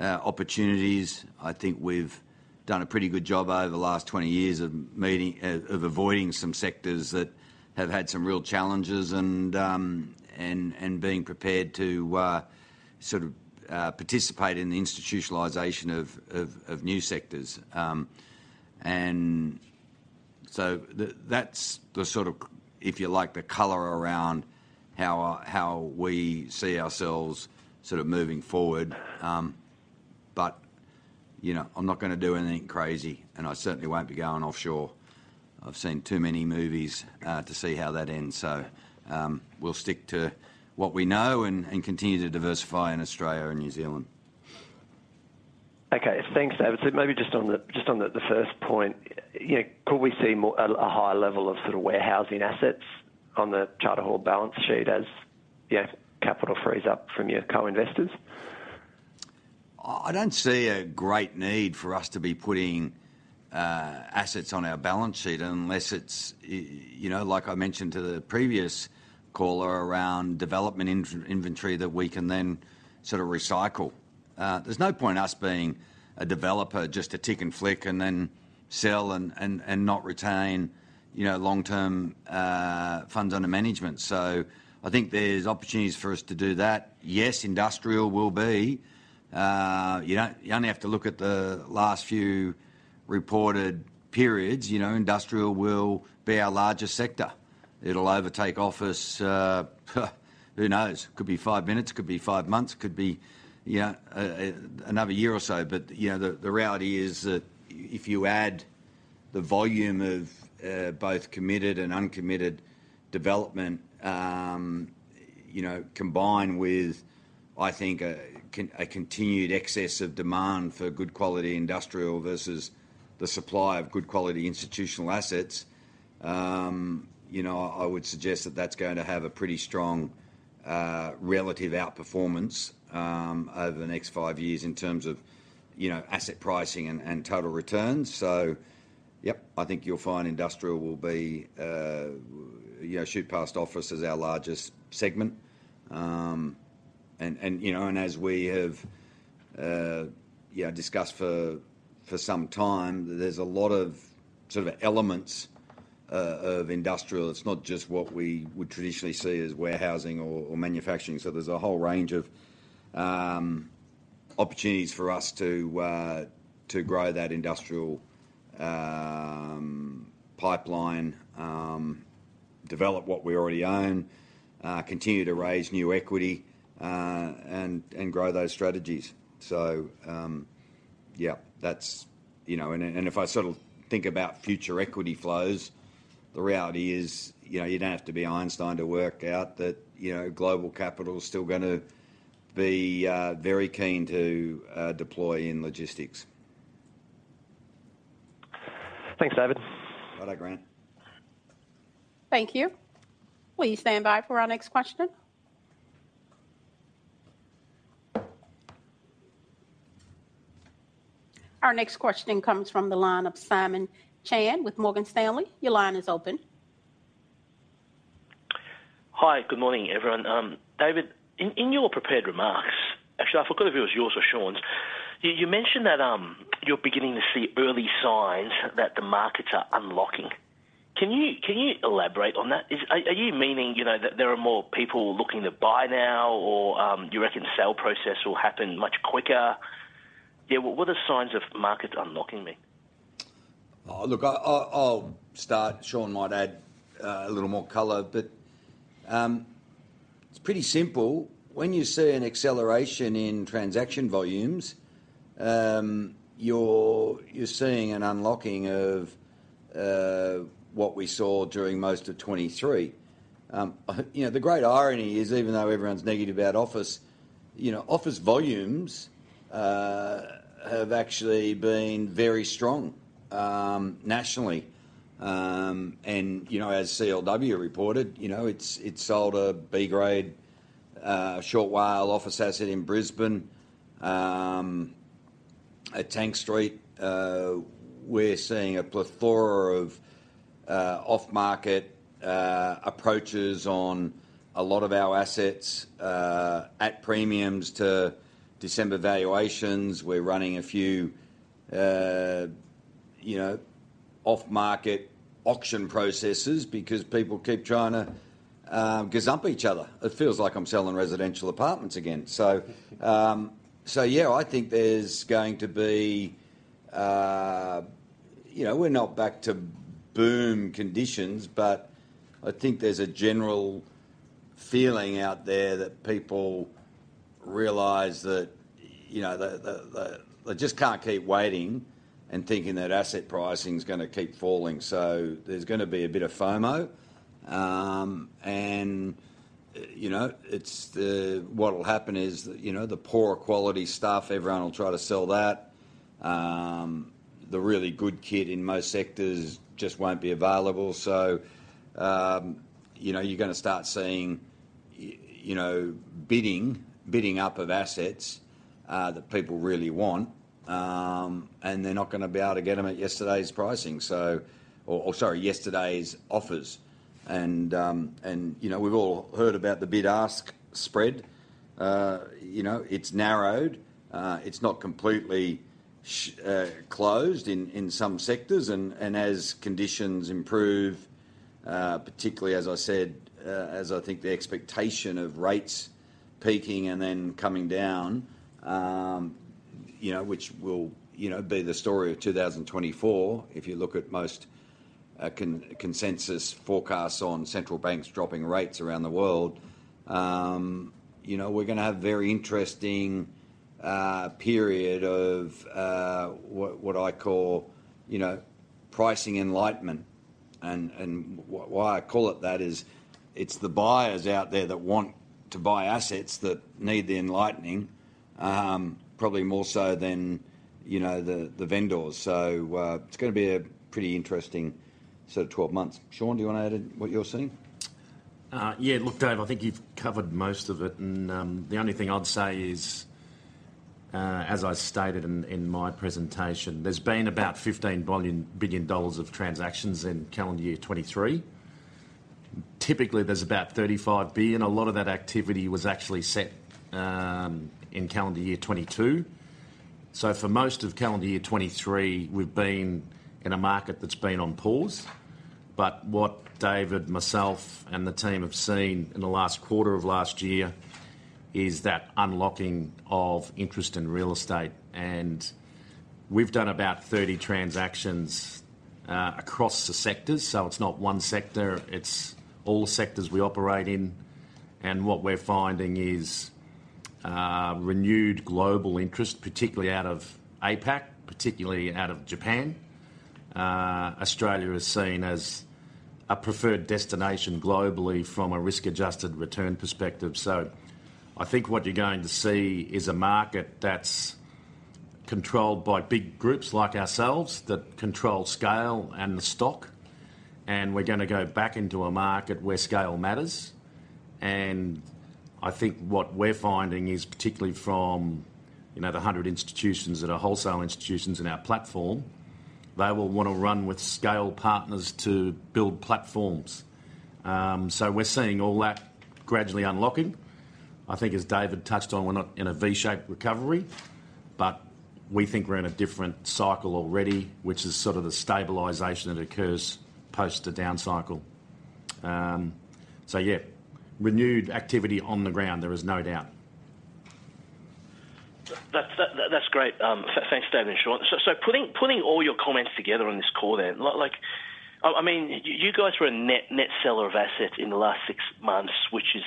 opportunities. I think we've done a pretty good job over the last 20 years of avoiding some sectors that have had some real challenges and being prepared to sort of participate in the institutionalization of new sectors. And so, that's the sort of, if you like, the colour around how we see ourselves sort of moving forward. But I'm not going to do anything crazy, and I certainly won't be going offshore. I've seen too many movies to see how that ends. So, we'll stick to what we know and continue to diversify in Australia and New Zealand. Okay. Thanks, David. So maybe just on the first point, could we see a higher level of sort of warehousing assets on the Charter Hall balance sheet as capital frees up from your co-investors? I don't see a great need for us to be putting assets on our balance sheet unless it's, like I mentioned to the previous caller around development inventory that we can then sort of recycle. There's no point us being a developer just to tick and flick and then sell and not retain long-term funds under management. So, I think there's opportunities for us to do that. Yes, industrial will be. You only have to look at the last few reported periods. Industrial will be our largest sector. It'll overtake office, who knows? Could be five minutes. Could be five months. Could be another year or so. But the reality is that if you add the volume of both committed and uncommitted development combined with, I think, a continued excess of demand for good-quality industrial versus the supply of good-quality institutional assets, I would suggest that that's going to have a pretty strong relative outperformance over the next five years in terms of asset pricing and total returns. So, yep, I think you'll find industrial will shoot past office as our largest segment. And as we have discussed for some time, there's a lot of sort of elements of industrial. It's not just what we would traditionally see as warehousing or manufacturing. So, there's a whole range of opportunities for us to grow that industrial pipeline, develop what we already own, continue to raise new equity, and grow those strategies. So, yeah, that's, and if I sort of think about future equity flows, the reality is you don't have to be Einstein to work out that global capital's still going to be very keen to deploy in logistics. Thanks, David. No problem, Grant. Thank you. Please stand by for our next question. Our next question comes from the line of Simon Chan with Morgan Stanley. Your line is open. Hi. Good morning, everyone. David, in your prepared remarks, actually, I forgot if it was yours or Sean's. You mentioned that you're beginning to see early signs that the markets are unlocking. Can you elaborate on that? Are you meaning that there are more people looking to buy now, or you reckon the sale process will happen much quicker? Yeah, what are signs of markets unlocking me? Look, I'll start. Sean might add a little more color. But it's pretty simple. When you see an acceleration in transaction volumes, you're seeing an unlocking of what we saw during most of 2023. The great irony is, even though everyone's negative about office, office volumes have actually been very strong nationally. And as CLW reported, it's sold a B-grade short WALE office asset in Brisbane, Tank Street. We're seeing a plethora of off-market approaches on a lot of our assets at premiums to December valuations. We're running a few off-market auction processes because people keep trying to gazump each other. It feels like I'm selling residential apartments again. So, yeah, I think there's going to be we're not back to boom conditions, but I think there's a general feeling out there that people realize that they just can't keep waiting and thinking that asset pricing's going to keep falling. So, there's going to be a bit of FOMO. And what'll happen is the poorer-quality stuff, everyone will try to sell that. The really good kit in most sectors just won't be available. So, you're going to start seeing bidding up of assets that people really want, and they're not going to be able to get them at yesterday's pricing or, sorry, yesterday's offers. And we've all heard about the bid-ask spread. It's narrowed. It's not completely closed in some sectors. As conditions improve, particularly, as I said, as I think the expectation of rates peaking and then coming down, which will be the story of 2024 if you look at most consensus forecasts on central banks dropping rates around the world, we're going to have a very interesting period of what I call pricing enlightenment. Why I call it that is it's the buyers out there that want to buy assets that need the enlightening, probably more so than the vendors. It's going to be a pretty interesting sort of 12 months. Sean, do you want to add what you're seeing? Yeah. Look, David, I think you've covered most of it. And the only thing I'd say is, as I stated in my presentation, there's been about 15 billion dollars of transactions in calendar year 2023. Typically, there's about 35 billion. A lot of that activity was actually set in calendar year 2022. So, for most of calendar year 2023, we've been in a market that's been on pause. But what David, myself, and the team have seen in the last quarter of last year is that unlocking of interest in real estate. And we've done about 30 transactions across the sectors. So, it's not one sector. It's all sectors we operate in. And what we're finding is renewed global interest, particularly out of APAC, particularly out of Japan. Australia is seen as a preferred destination globally from a risk-adjusted return perspective. So, I think what you're going to see is a market that's controlled by big groups like ourselves that control scale and the stock. And we're going to go back into a market where scale matters. And I think what we're finding is, particularly from the 100 institutions that are wholesale institutions in our platform, they will want to run with scale partners to build platforms. So, we're seeing all that gradually unlocking. I think, as David touched on, we're not in a V-shaped recovery, but we think we're in a different cycle already, which is sort of the stabilization that occurs post the down cycle. So, yeah, renewed activity on the ground, there is no doubt. That's great. Thanks, David and Sean. Putting all your comments together on this call then, I mean, you guys were a net seller of assets in the last 6 months, which is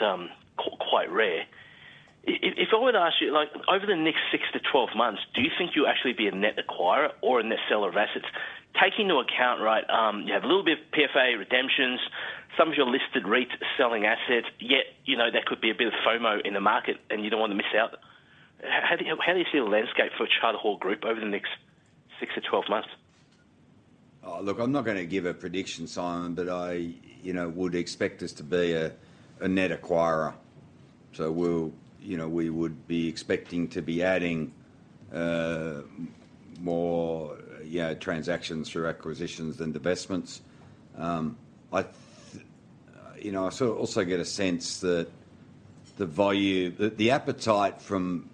quite rare. If I were to ask you, over the next 6-12 months, do you think you'll actually be a net acquirer or a net seller of assets? Taking into account, right, you have a little bit of PFA, redemptions, some of your listed REIT selling assets, yet there could be a bit of FOMO in the market, and you don't want to miss out. How do you see the landscape for Charter Hall Group over the next 6-12 months? Look, I'm not going to give a prediction, Simon, but I would expect us to be a net acquirer. So, we would be expecting to be adding more transactions through acquisitions than divestments. I sort of also get a sense that the appetite from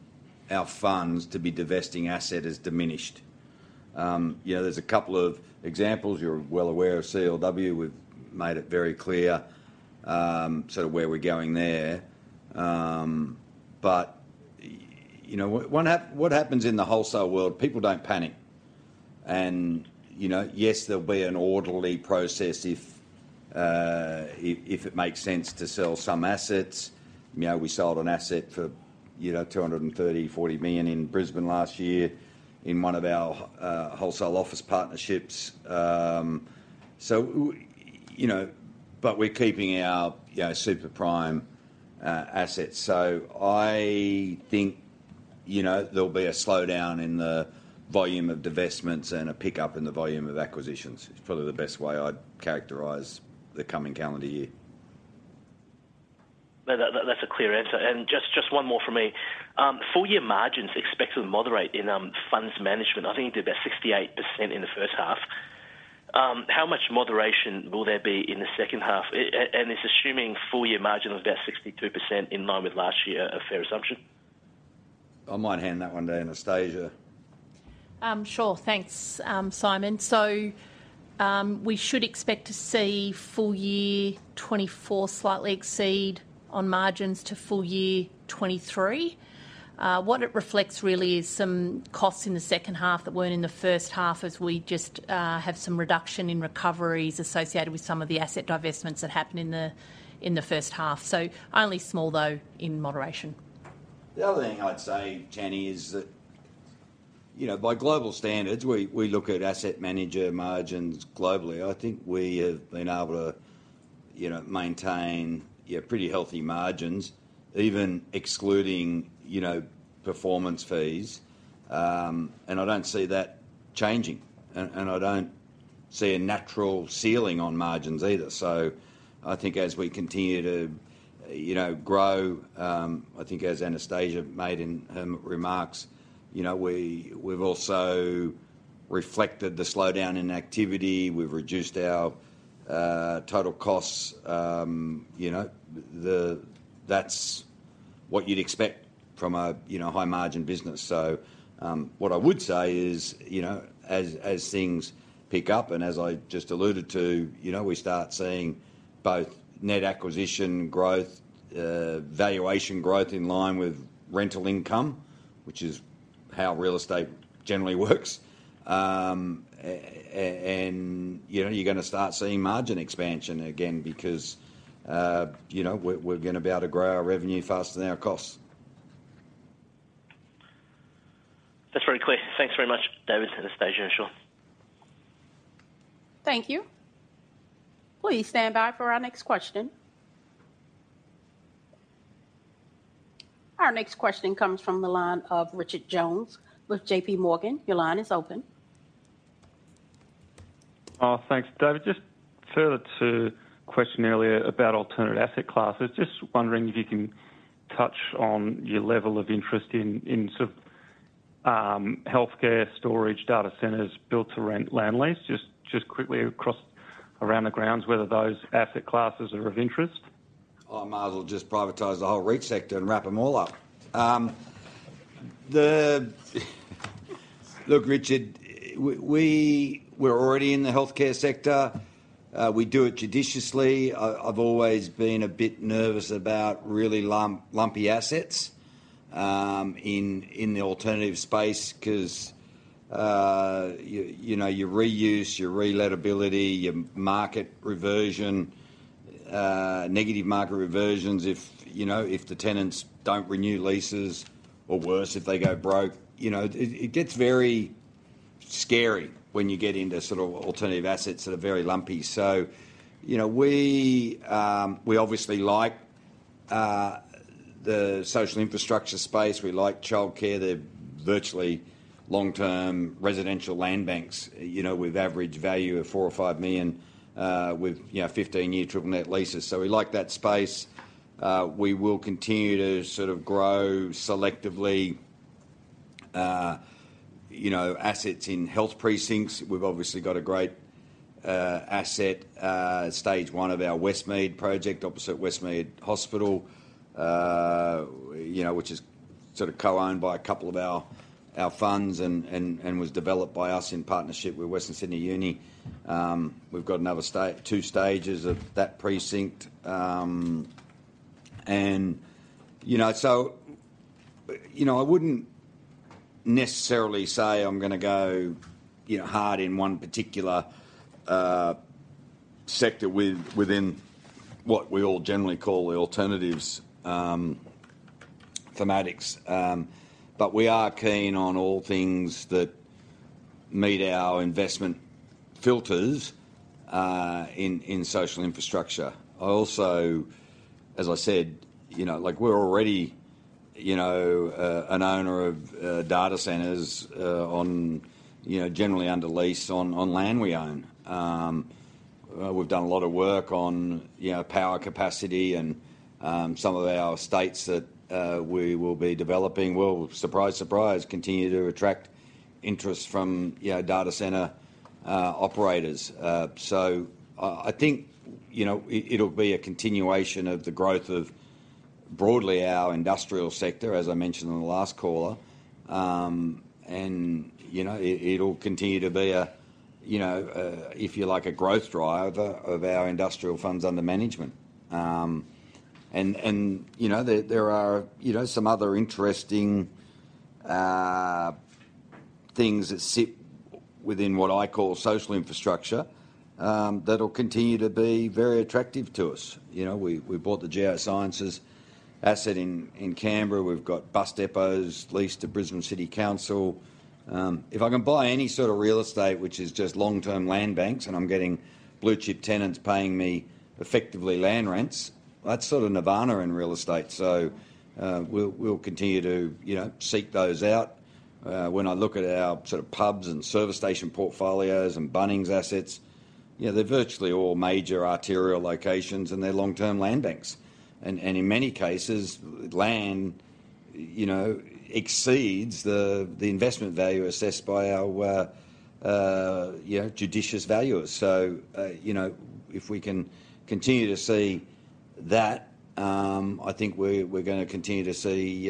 our funds to be divesting asset has diminished. There's a couple of examples. You're well aware of CLW. We've made it very clear sort of where we're going there. But what happens in the wholesale world, people don't panic. And yes, there'll be an orderly process if it makes sense to sell some assets. We sold an asset for 230.4 million in Brisbane last year in one of our wholesale office partnerships. But we're keeping our super-prime assets. So, I think there'll be a slowdown in the volume of divestments and a pickup in the volume of acquisitions. It's probably the best way I'd characterize the coming calendar year. No, that's a clear answer. Just one more from me. FY margins expected to moderate in funds management. I think you did about 68% in the first half. How much moderation will there be in the second half? And it's assuming FY margin of about 62% in line with last year, a fair assumption? I might hand that one to Anastasia. Sure. Thanks, Simon. So, we should expect to see full year 2024 slightly exceed on margins to full year 2023. What it reflects really is some costs in the second half that weren't in the first half as we just have some reduction in recoveries associated with some of the asset divestments that happened in the first half. So, only small, though, in moderation. The other thing I'd say, generally, is that by global standards, we look at asset manager margins globally. I think we have been able to maintain pretty healthy margins, even excluding performance fees. And I don't see that changing. And I don't see a natural ceiling on margins either. So, I think as we continue to grow, as Anastasia made in her remarks, we've also reflected the slowdown in activity. We've reduced our total costs. That's what you'd expect from a high-margin business. So, what I would say is, as things pick up and as I just alluded to, we start seeing both net acquisition growth, valuation growth in line with rental income, which is how real estate generally works. And you're going to start seeing margin expansion again because we're going to be able to grow our revenue faster than our costs. That's very clear. Thanks very much, David, Anastasia, and Sean. Thank you. Please stand by for our next question. Our next question comes from the line of Richard Jones with JPMorgan. Your line is open. Thanks, David. Just further to the question earlier about alternate asset classes, just wondering if you can touch on your level of interest in sort of healthcare, storage, data centers, build-to-rent land lease. Just quickly around the grounds, whether those asset classes are of interest. I might as well just privatize the whole REIT sector and wrap them all up. Look, Richard, we're already in the healthcare sector. We do it judiciously. I've always been a bit nervous about really lumpy assets in the alternative space because your reuse, your reliability, your market reversion, negative market reversions if the tenants don't renew leases or worse, if they go broke. It gets very scary when you get into sort of alternative assets that are very lumpy. So, we obviously like the social infrastructure space. We like childcare. They're virtually long-term residential land banks with average value of 4 million or 5 million with 15-year triple net leases. So, we like that space. We will continue to sort of grow selectively assets in health precincts. We've obviously got a great asset, stage one of our Westmead project, opposite Westmead Hospital, which is sort of co-owned by a couple of our funds and was developed by us in partnership with Western Sydney Uni. We've got two stages of that precinct, and so, I wouldn't necessarily say I'm going to go hard in one particular sector within what we all generally call the alternatives thematics. But we are keen on all things that meet our investment filters in social infrastructure. Also, as I said, we're already an owner of data centers generally under lease on land we own. We've done a lot of work on power capacity, and some of our estates that we will be developing will, surprise, surprise, continue to attract interest from data center operators. So, I think it'll be a continuation of the growth of broadly our industrial sector, as I mentioned in the last call. And it'll continue to be a, if you like, a growth driver of our industrial funds under management. And there are some other interesting things that sit within what I call social infrastructure that'll continue to be very attractive to us. We bought the Geosciences asset in Canberra. We've got bus depots leased to Brisbane City Council. If I can buy any sort of real estate which is just long-term land banks, and I'm getting blue-chip tenants paying me effectively land rents, that's sort of Nirvana in real estate. So, we'll continue to seek those out. When I look at our sort of pubs and service station portfolios and Bunnings assets, they're virtually all major arterial locations, and they're long-term land banks. In many cases, land exceeds the investment value assessed by our judicious valuers. So, if we can continue to see that, I think we're going to continue to see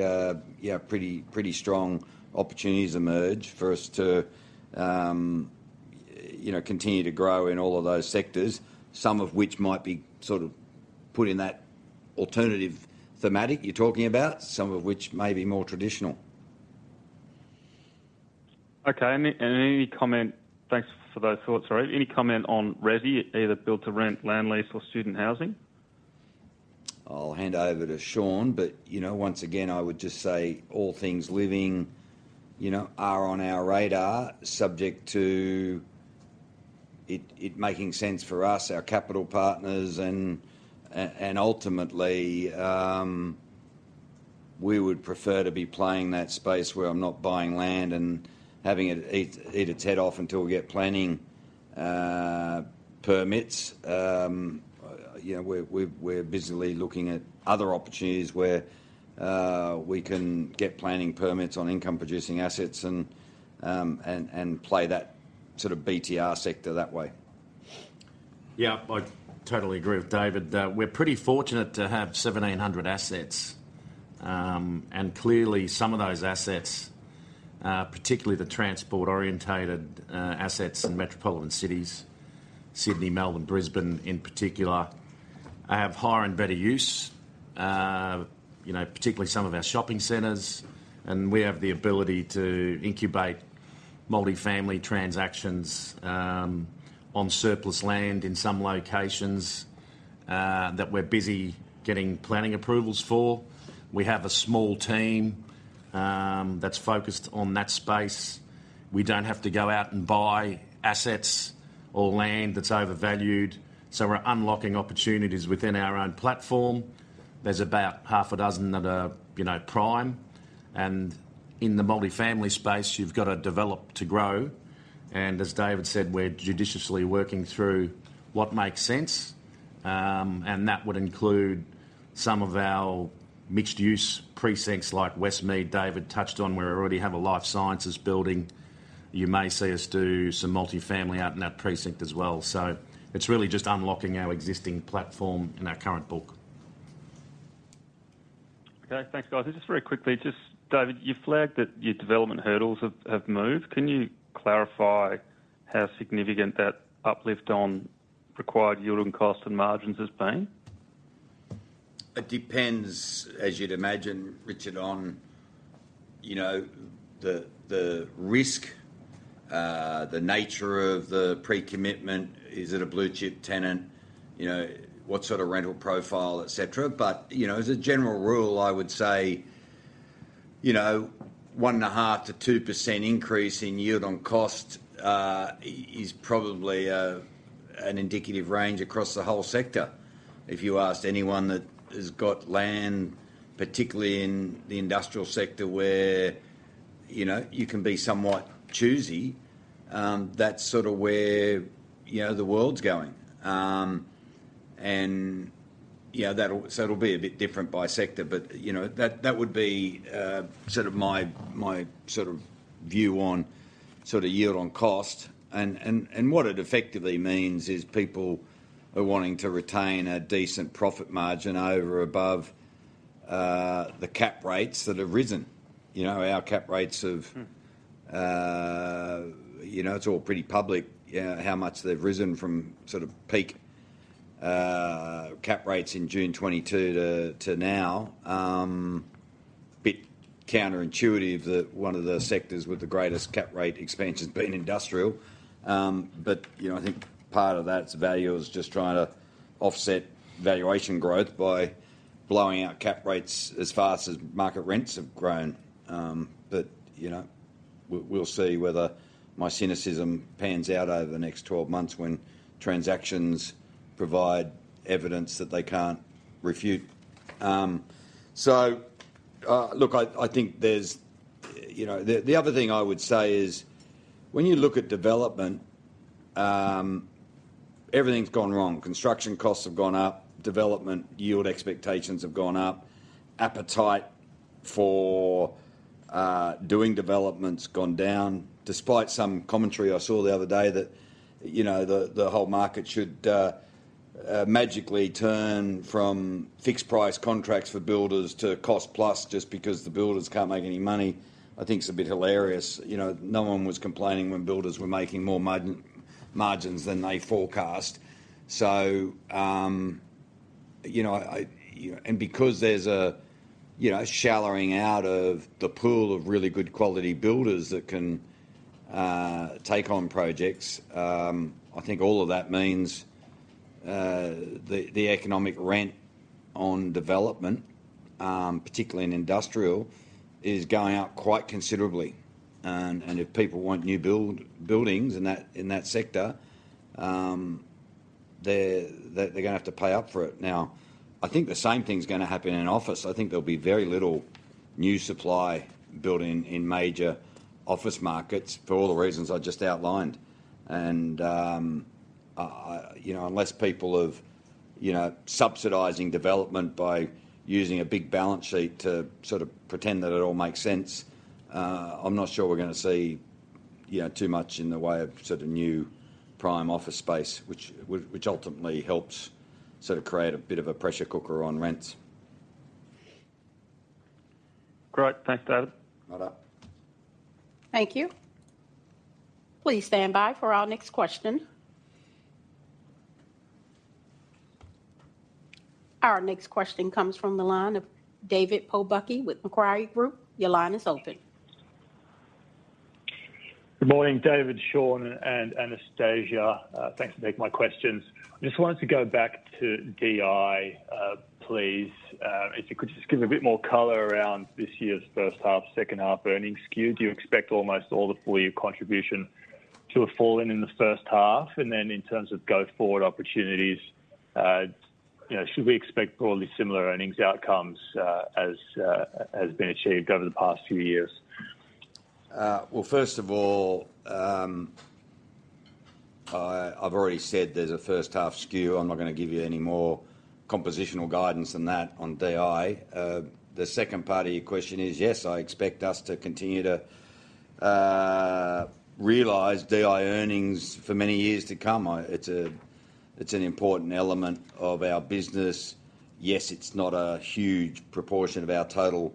pretty strong opportunities emerge for us to continue to grow in all of those sectors, some of which might be sort of put in that alternative thematic you're talking about, some of which may be more traditional. Okay. Any comment? Thanks for those thoughts, David. Any comment on resi, either build-to-rent land lease or student housing? I'll hand over to Sean. Once again, I would just say all things living are on our radar, subject to it making sense for us, our capital partners. Ultimately, we would prefer to be playing that space where I'm not buying land and having it eat its head off until we get planning permits. We're busily looking at other opportunities where we can get planning permits on income-producing assets and play that sort of BTR sector that way. Yeah, I totally agree with David. We're pretty fortunate to have 1,700 assets. And clearly, some of those assets, particularly the transport-oriented assets in metropolitan cities, Sydney, Melbourne, Brisbane in particular, have higher and better use, particularly some of our shopping centers. And we have the ability to incubate multifamily transactions on surplus land in some locations that we're busy getting planning approvals for. We have a small team that's focused on that space. We don't have to go out and buy assets or land that's overvalued. So, we're unlocking opportunities within our own platform. There's about half a dozen that are prime. And in the multifamily space, you've got to develop to grow. And as David said, we're judiciously working through what makes sense. And that would include some of our mixed-use precincts like Westmead, David touched on. We already have a life sciences building. You may see us do some multifamily out in that precinct as well. So, it's really just unlocking our existing platform and our current book. Okay. Thanks, guys. And just very quickly, David, you flagged that your development hurdles have moved. Can you clarify how significant that uplift on required yield and cost and margins has been? It depends, as you'd imagine, Richard, on the risk, the nature of the pre-commitment. Is it a blue-chip tenant? What sort of rental profile, etc.? But as a general rule, I would say 1.5%-2% increase in yield on cost is probably an indicative range across the whole sector. If you asked anyone that has got land, particularly in the industrial sector where you can be somewhat choosy, that's sort of where the world's going. And so, it'll be a bit different by sector. But that would be sort of my sort of view on sort of yield on cost. And what it effectively means is people are wanting to retain a decent profit margin over above the cap rates that have risen. Our cap rates have. It's all pretty public how much they've risen from sort of peak cap rates in June 2022 to now. A bit counterintuitive that one of the sectors with the greatest cap rate expansion's been industrial. But I think part of that's value is just trying to offset valuation growth by blowing out cap rates as fast as market rents have grown. But we'll see whether my cynicism pans out over the next 12 months when transactions provide evidence that they can't refute. So, look, I think there's the other thing I would say is when you look at development, everything's gone wrong. Construction costs have gone up. Development yield expectations have gone up. Appetite for doing development's gone down despite some commentary I saw the other day that the whole market should magically turn from fixed-price contracts for builders to cost-plus just because the builders can't make any money. I think it's a bit hilarious. No one was complaining when builders were making more margins than they forecast. So, and because there's a shallowing out of the pool of really good-quality builders that can take on projects, I think all of that means the economic rent on development, particularly in industrial, is going up quite considerably. And if people want new buildings in that sector, they're going to have to pay up for it. Now, I think the same thing's going to happen in office. I think there'll be very little new supply built in major office markets for all the reasons I just outlined. And unless people have subsidized development by using a big balance sheet to sort of pretend that it all makes sense, I'm not sure we're going to see too much in the way of sort of new prime office space, which ultimately helps sort of create a bit of a pressure cooker on rents. Great. Thanks, David. Right up. Thank you. Please stand by for our next question. Our next question comes from the line of David Polubiec with Macquarie Group. Your line is open. Good morning, David, Sean, and Anastasia. Thanks for taking my questions. I just wanted to go back to DI, please. If you could just give a bit more color around this year's first half, second half earnings Q. Do you expect almost all the full year contribution to have fallen in the first half? And then in terms of go-forward opportunities, should we expect broadly similar earnings outcomes as has been achieved over the past few years? Well, first of all, I've already said there's a first half skew. I'm not going to give you any more compositional guidance than that on DI. The second part of your question is, yes, I expect us to continue to realize DI earnings for many years to come. It's an important element of our business. Yes, it's not a huge proportion of our total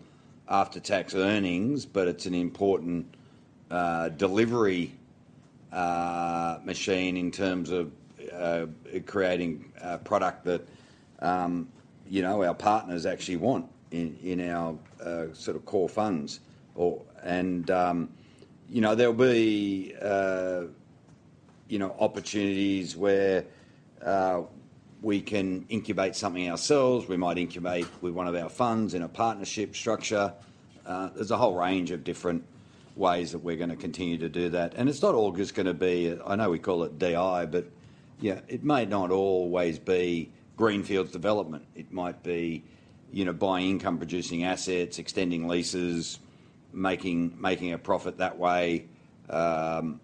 after-tax earnings, but it's an important delivery machine in terms of creating a product that our partners actually want in our sort of core funds. And there'll be opportunities where we can incubate something ourselves. We might incubate with one of our funds in a partnership structure. There's a whole range of different ways that we're going to continue to do that. And it's not all just going to be I know we call it DI, but it may not always be greenfields development. It might be buying income-producing assets, extending leases, making a profit that way. I'm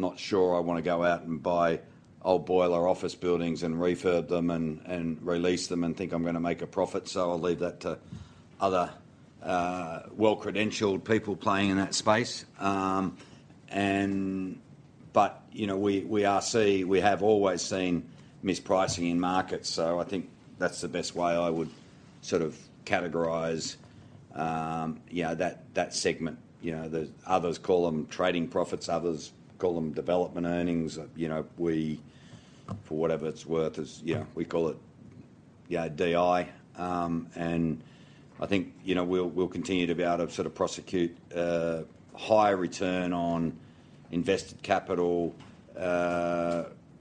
not sure I want to go out and buy old boiler office buildings and refurb them and release them and think I'm going to make a profit. So, I'll leave that to other well-credentialed people playing in that space. But we have always seen mispricing in markets. So, I think that's the best way I would sort of categorize that segment. Others call them trading profits. Others call them development earnings. We, for whatever it's worth, we call it DI. And I think we'll continue to be able to sort of prosecute high return on invested capital,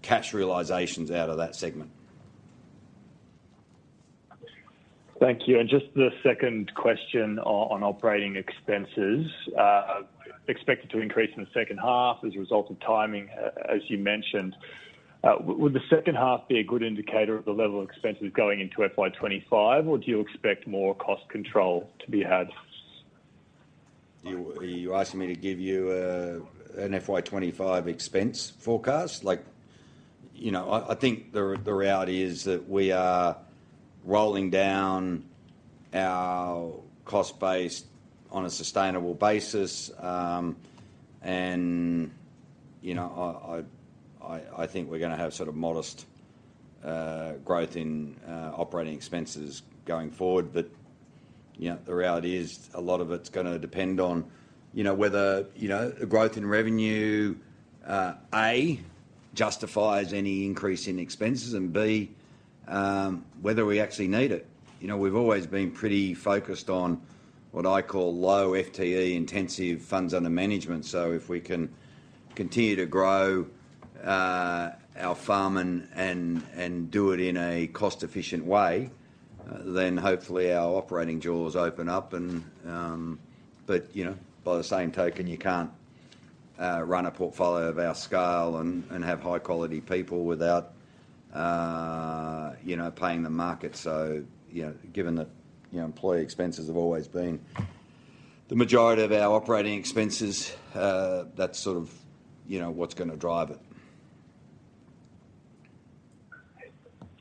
cash realizations out of that segment. Thank you. Just the second question on operating expenses. Expected to increase in the second half as a result of timing, as you mentioned. Would the second half be a good indicator of the level of expenses going into FY2025, or do you expect more cost control to be had? Are you asking me to give you an FY25 expense forecast? I think the reality is that we are rolling down our cost base on a sustainable basis. I think we're going to have sort of modest growth in operating expenses going forward. But the reality is a lot of it's going to depend on whether the growth in revenue, A, justifies any increase in expenses, and B, whether we actually need it. We've always been pretty focused on what I call low FTE, intensive funds under management. So, if we can continue to grow our farm and do it in a cost-efficient way, then hopefully, our operating jaws open up. But by the same token, you can't run a portfolio of our scale and have high-quality people without paying the market. Given that employee expenses have always been the majority of our operating expenses, that's sort of what's going to drive it.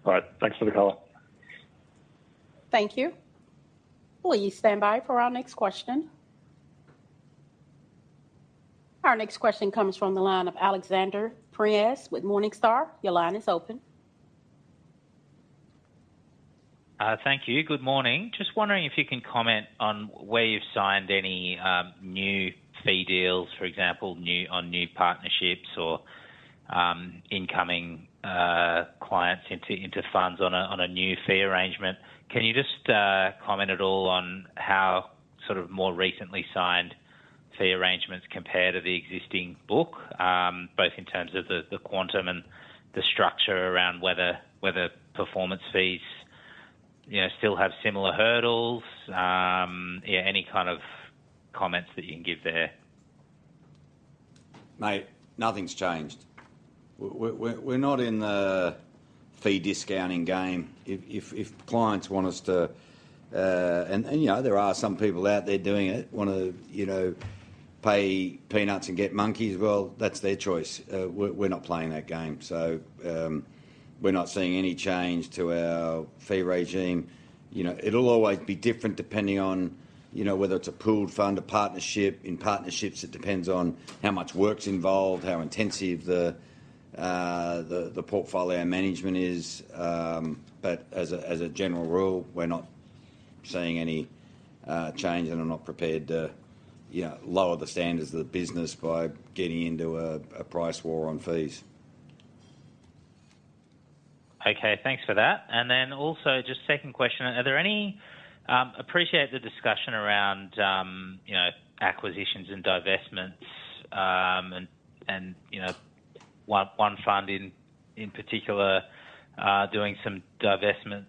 All right. Thanks for the color. Thank you. Will you stand by for our next question? Our next question comes from the line of Alexander Prineas with Morningstar. Your line is open. Thank you. Good morning. Just wondering if you can comment on where you've signed any new fee deals, for example, on new partnerships or incoming clients into funds on a new fee arrangement. Can you just comment at all on how sort of more recently signed fee arrangements compare to the existing book, both in terms of the quantum and the structure around whether performance fees still have similar hurdles? Yeah, any kind of comments that you can give there. Mate, nothing's changed. We're not in the fee discounting game. If clients want us to and there are some people out there doing it, want to pay peanuts and get monkeys, well, that's their choice. We're not playing that game. So, we're not seeing any change to our fee regime. It'll always be different depending on whether it's a pooled fund, a partnership. In partnerships, it depends on how much work's involved, how intensive the portfolio management is. But as a general rule, we're not seeing any change, and I'm not prepared to lower the standards of the business by getting into a price war on fees. Okay. Thanks for that. And then also, just second question, appreciate the discussion around acquisitions and divestments and one fund in particular doing some divestments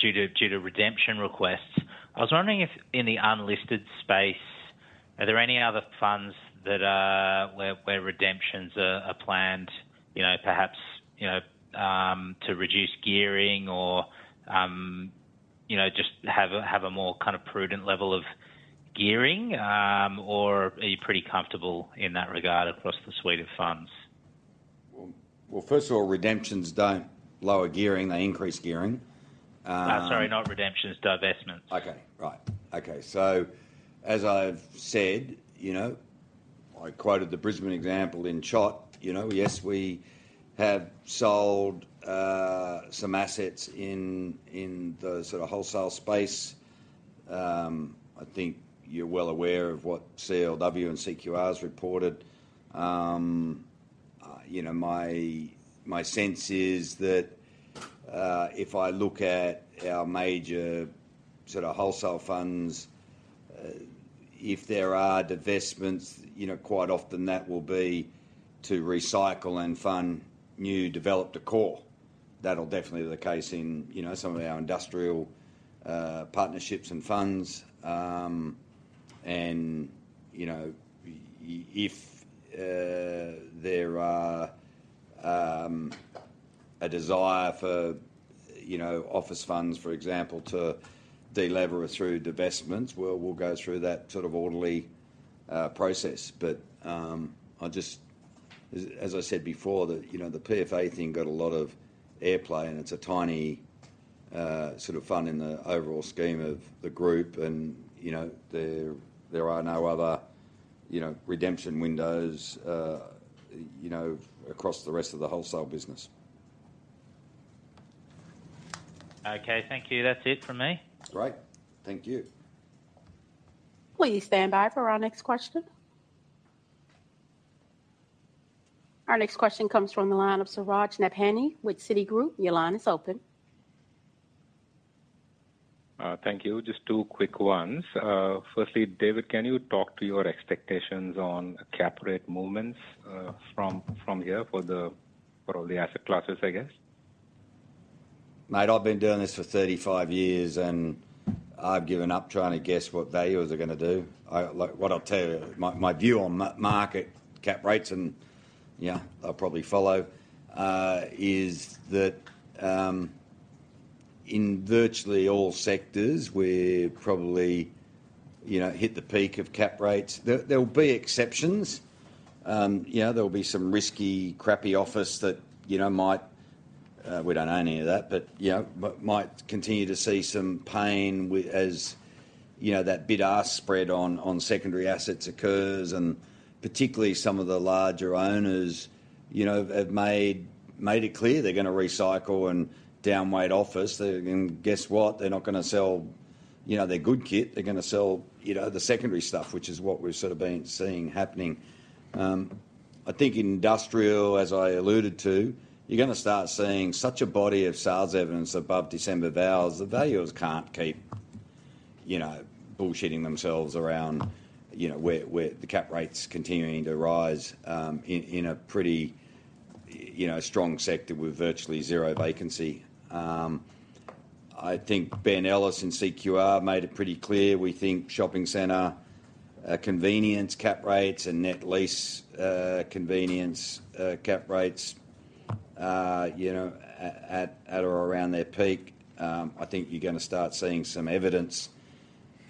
due to redemption requests. I was wondering if in the unlisted space, are there any other funds where redemptions are planned, perhaps to reduce gearing or just have a more kind of prudent level of gearing? Or are you pretty comfortable in that regard across the suite of funds? Well, first of all, redemptions don't lower gearing. They increase gearing. No, sorry. Not redemptions, divestments. Okay. Right. Okay. So, as I've said, I quoted the Brisbane example in Charter. Yes, we have sold some assets in the sort of wholesale space. I think you're well aware of what CLW and CQR's reported. My sense is that if I look at our major sort of wholesale funds, if there are divestments, quite often, that will be to recycle and fund new development. That'll definitely be the case in some of our industrial partnerships and funds. And if there are a desire for office funds, for example, to delever through divestments, we'll go through that sort of orderly process. But as I said before, the PFA thing got a lot of airplay, and it's a tiny sort of fund in the overall scheme of the group. And there are no other redemption windows across the rest of the wholesale business. Okay. Thank you. That's it from me. Great. Thank you. Will you stand by for our next question? Our next question comes from the line of Suraj Nebhani with Citigroup. Your line is open. Thank you. Just two quick ones. Firstly, David, can you talk to your expectations on cap rate movements from here for all the asset classes, I guess? Mate, I've been doing this for 35 years, and I've given up trying to guess what values are going to do. What I'll tell you, my view on market cap rates, and I'll probably follow, is that in virtually all sectors, we've probably hit the peak of cap rates. There'll be exceptions. There'll be some risky, crappy office that might, we don't own any of that, but might continue to see some pain as that bid-ask spread on secondary assets occurs. And particularly, some of the larger owners have made it clear they're going to recycle and downweight office. And guess what? They're not going to sell their good kit. They're going to sell the secondary stuff, which is what we've sort of been seeing happening. I think in industrial, as I alluded to, you're going to start seeing such a body of sales evidence above December values that valuers can't keep bullshitting themselves around where the cap rates continuing to rise in a pretty strong sector with virtually zero vacancy. I think Ben Ellis in CQR made it pretty clear. We think shopping center convenience cap rates and net lease convenience cap rates at or around their peak. I think you're going to start seeing some evidence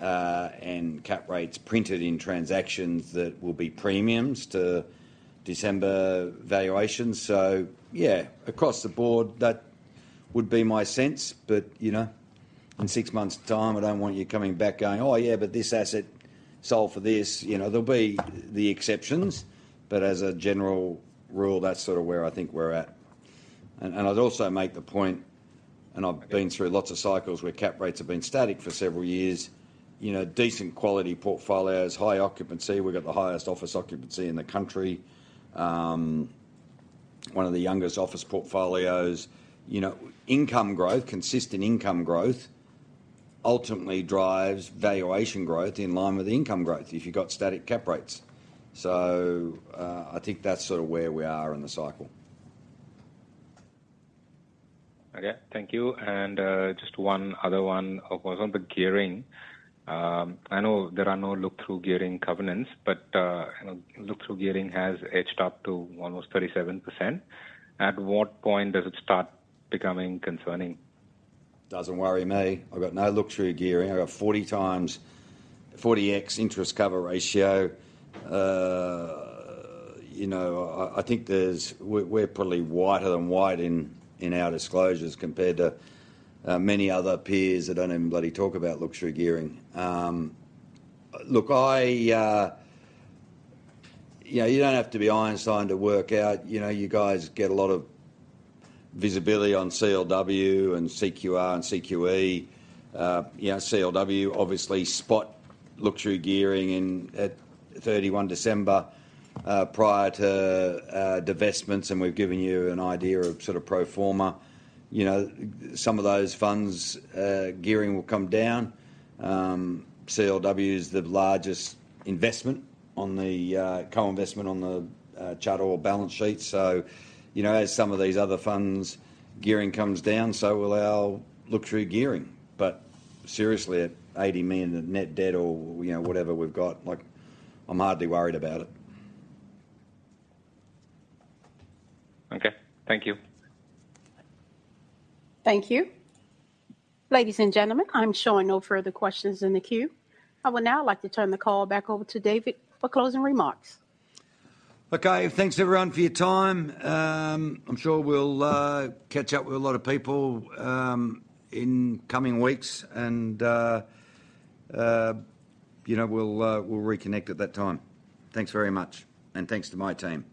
and cap rates printed in transactions that will be premiums to December valuations. So, yeah, across the board, that would be my sense. But in six months' time, I don't want you coming back going, "Oh, yeah, but this asset sold for this." There'll be the exceptions. But as a general rule, that's sort of where I think we're at. I'd also make the point, and I've been through lots of cycles where cap rates have been static for several years, decent quality portfolios, high occupancy. We've got the highest office occupancy in the country, one of the youngest office portfolios. Income growth, consistent income growth, ultimately drives valuation growth in line with the income growth if you've got static cap rates. So, I think that's sort of where we are in the cycle. Okay. Thank you. And just one other one of course, on the gearing. I know there are no look-through gearing covenants, but look-through gearing has edged up to almost 37%. At what point does it start becoming concerning? Doesn't worry me. I've got no look-through gearing. I've got 40x interest cover ratio. I think we're probably whiter than white in our disclosures compared to many other peers that don't even bloody talk about look-through gearing. Look, you don't have to be Einstein to work out. You guys get a lot of visibility on CLW and CQR and CQE. CLW obviously spot look-through gearing at 31 December prior to divestments. And we've given you an idea of sort of pro forma. Some of those funds, gearing will come down. CLW is the largest investment on the co-investment on the chart or balance sheet. So, as some of these other funds, gearing comes down, so will our look-through gearing. But seriously, at 80 million of net debt or whatever we've got, I'm hardly worried about it. Okay. Thank you. Thank you. Ladies and gentlemen, I'm sure I know further questions in the queue. I would now like to turn the call back over to David for closing remarks. Okay. Thanks, everyone, for your time. I'm sure we'll catch up with a lot of people in coming weeks, and we'll reconnect at that time. Thanks very much, and thanks to my team.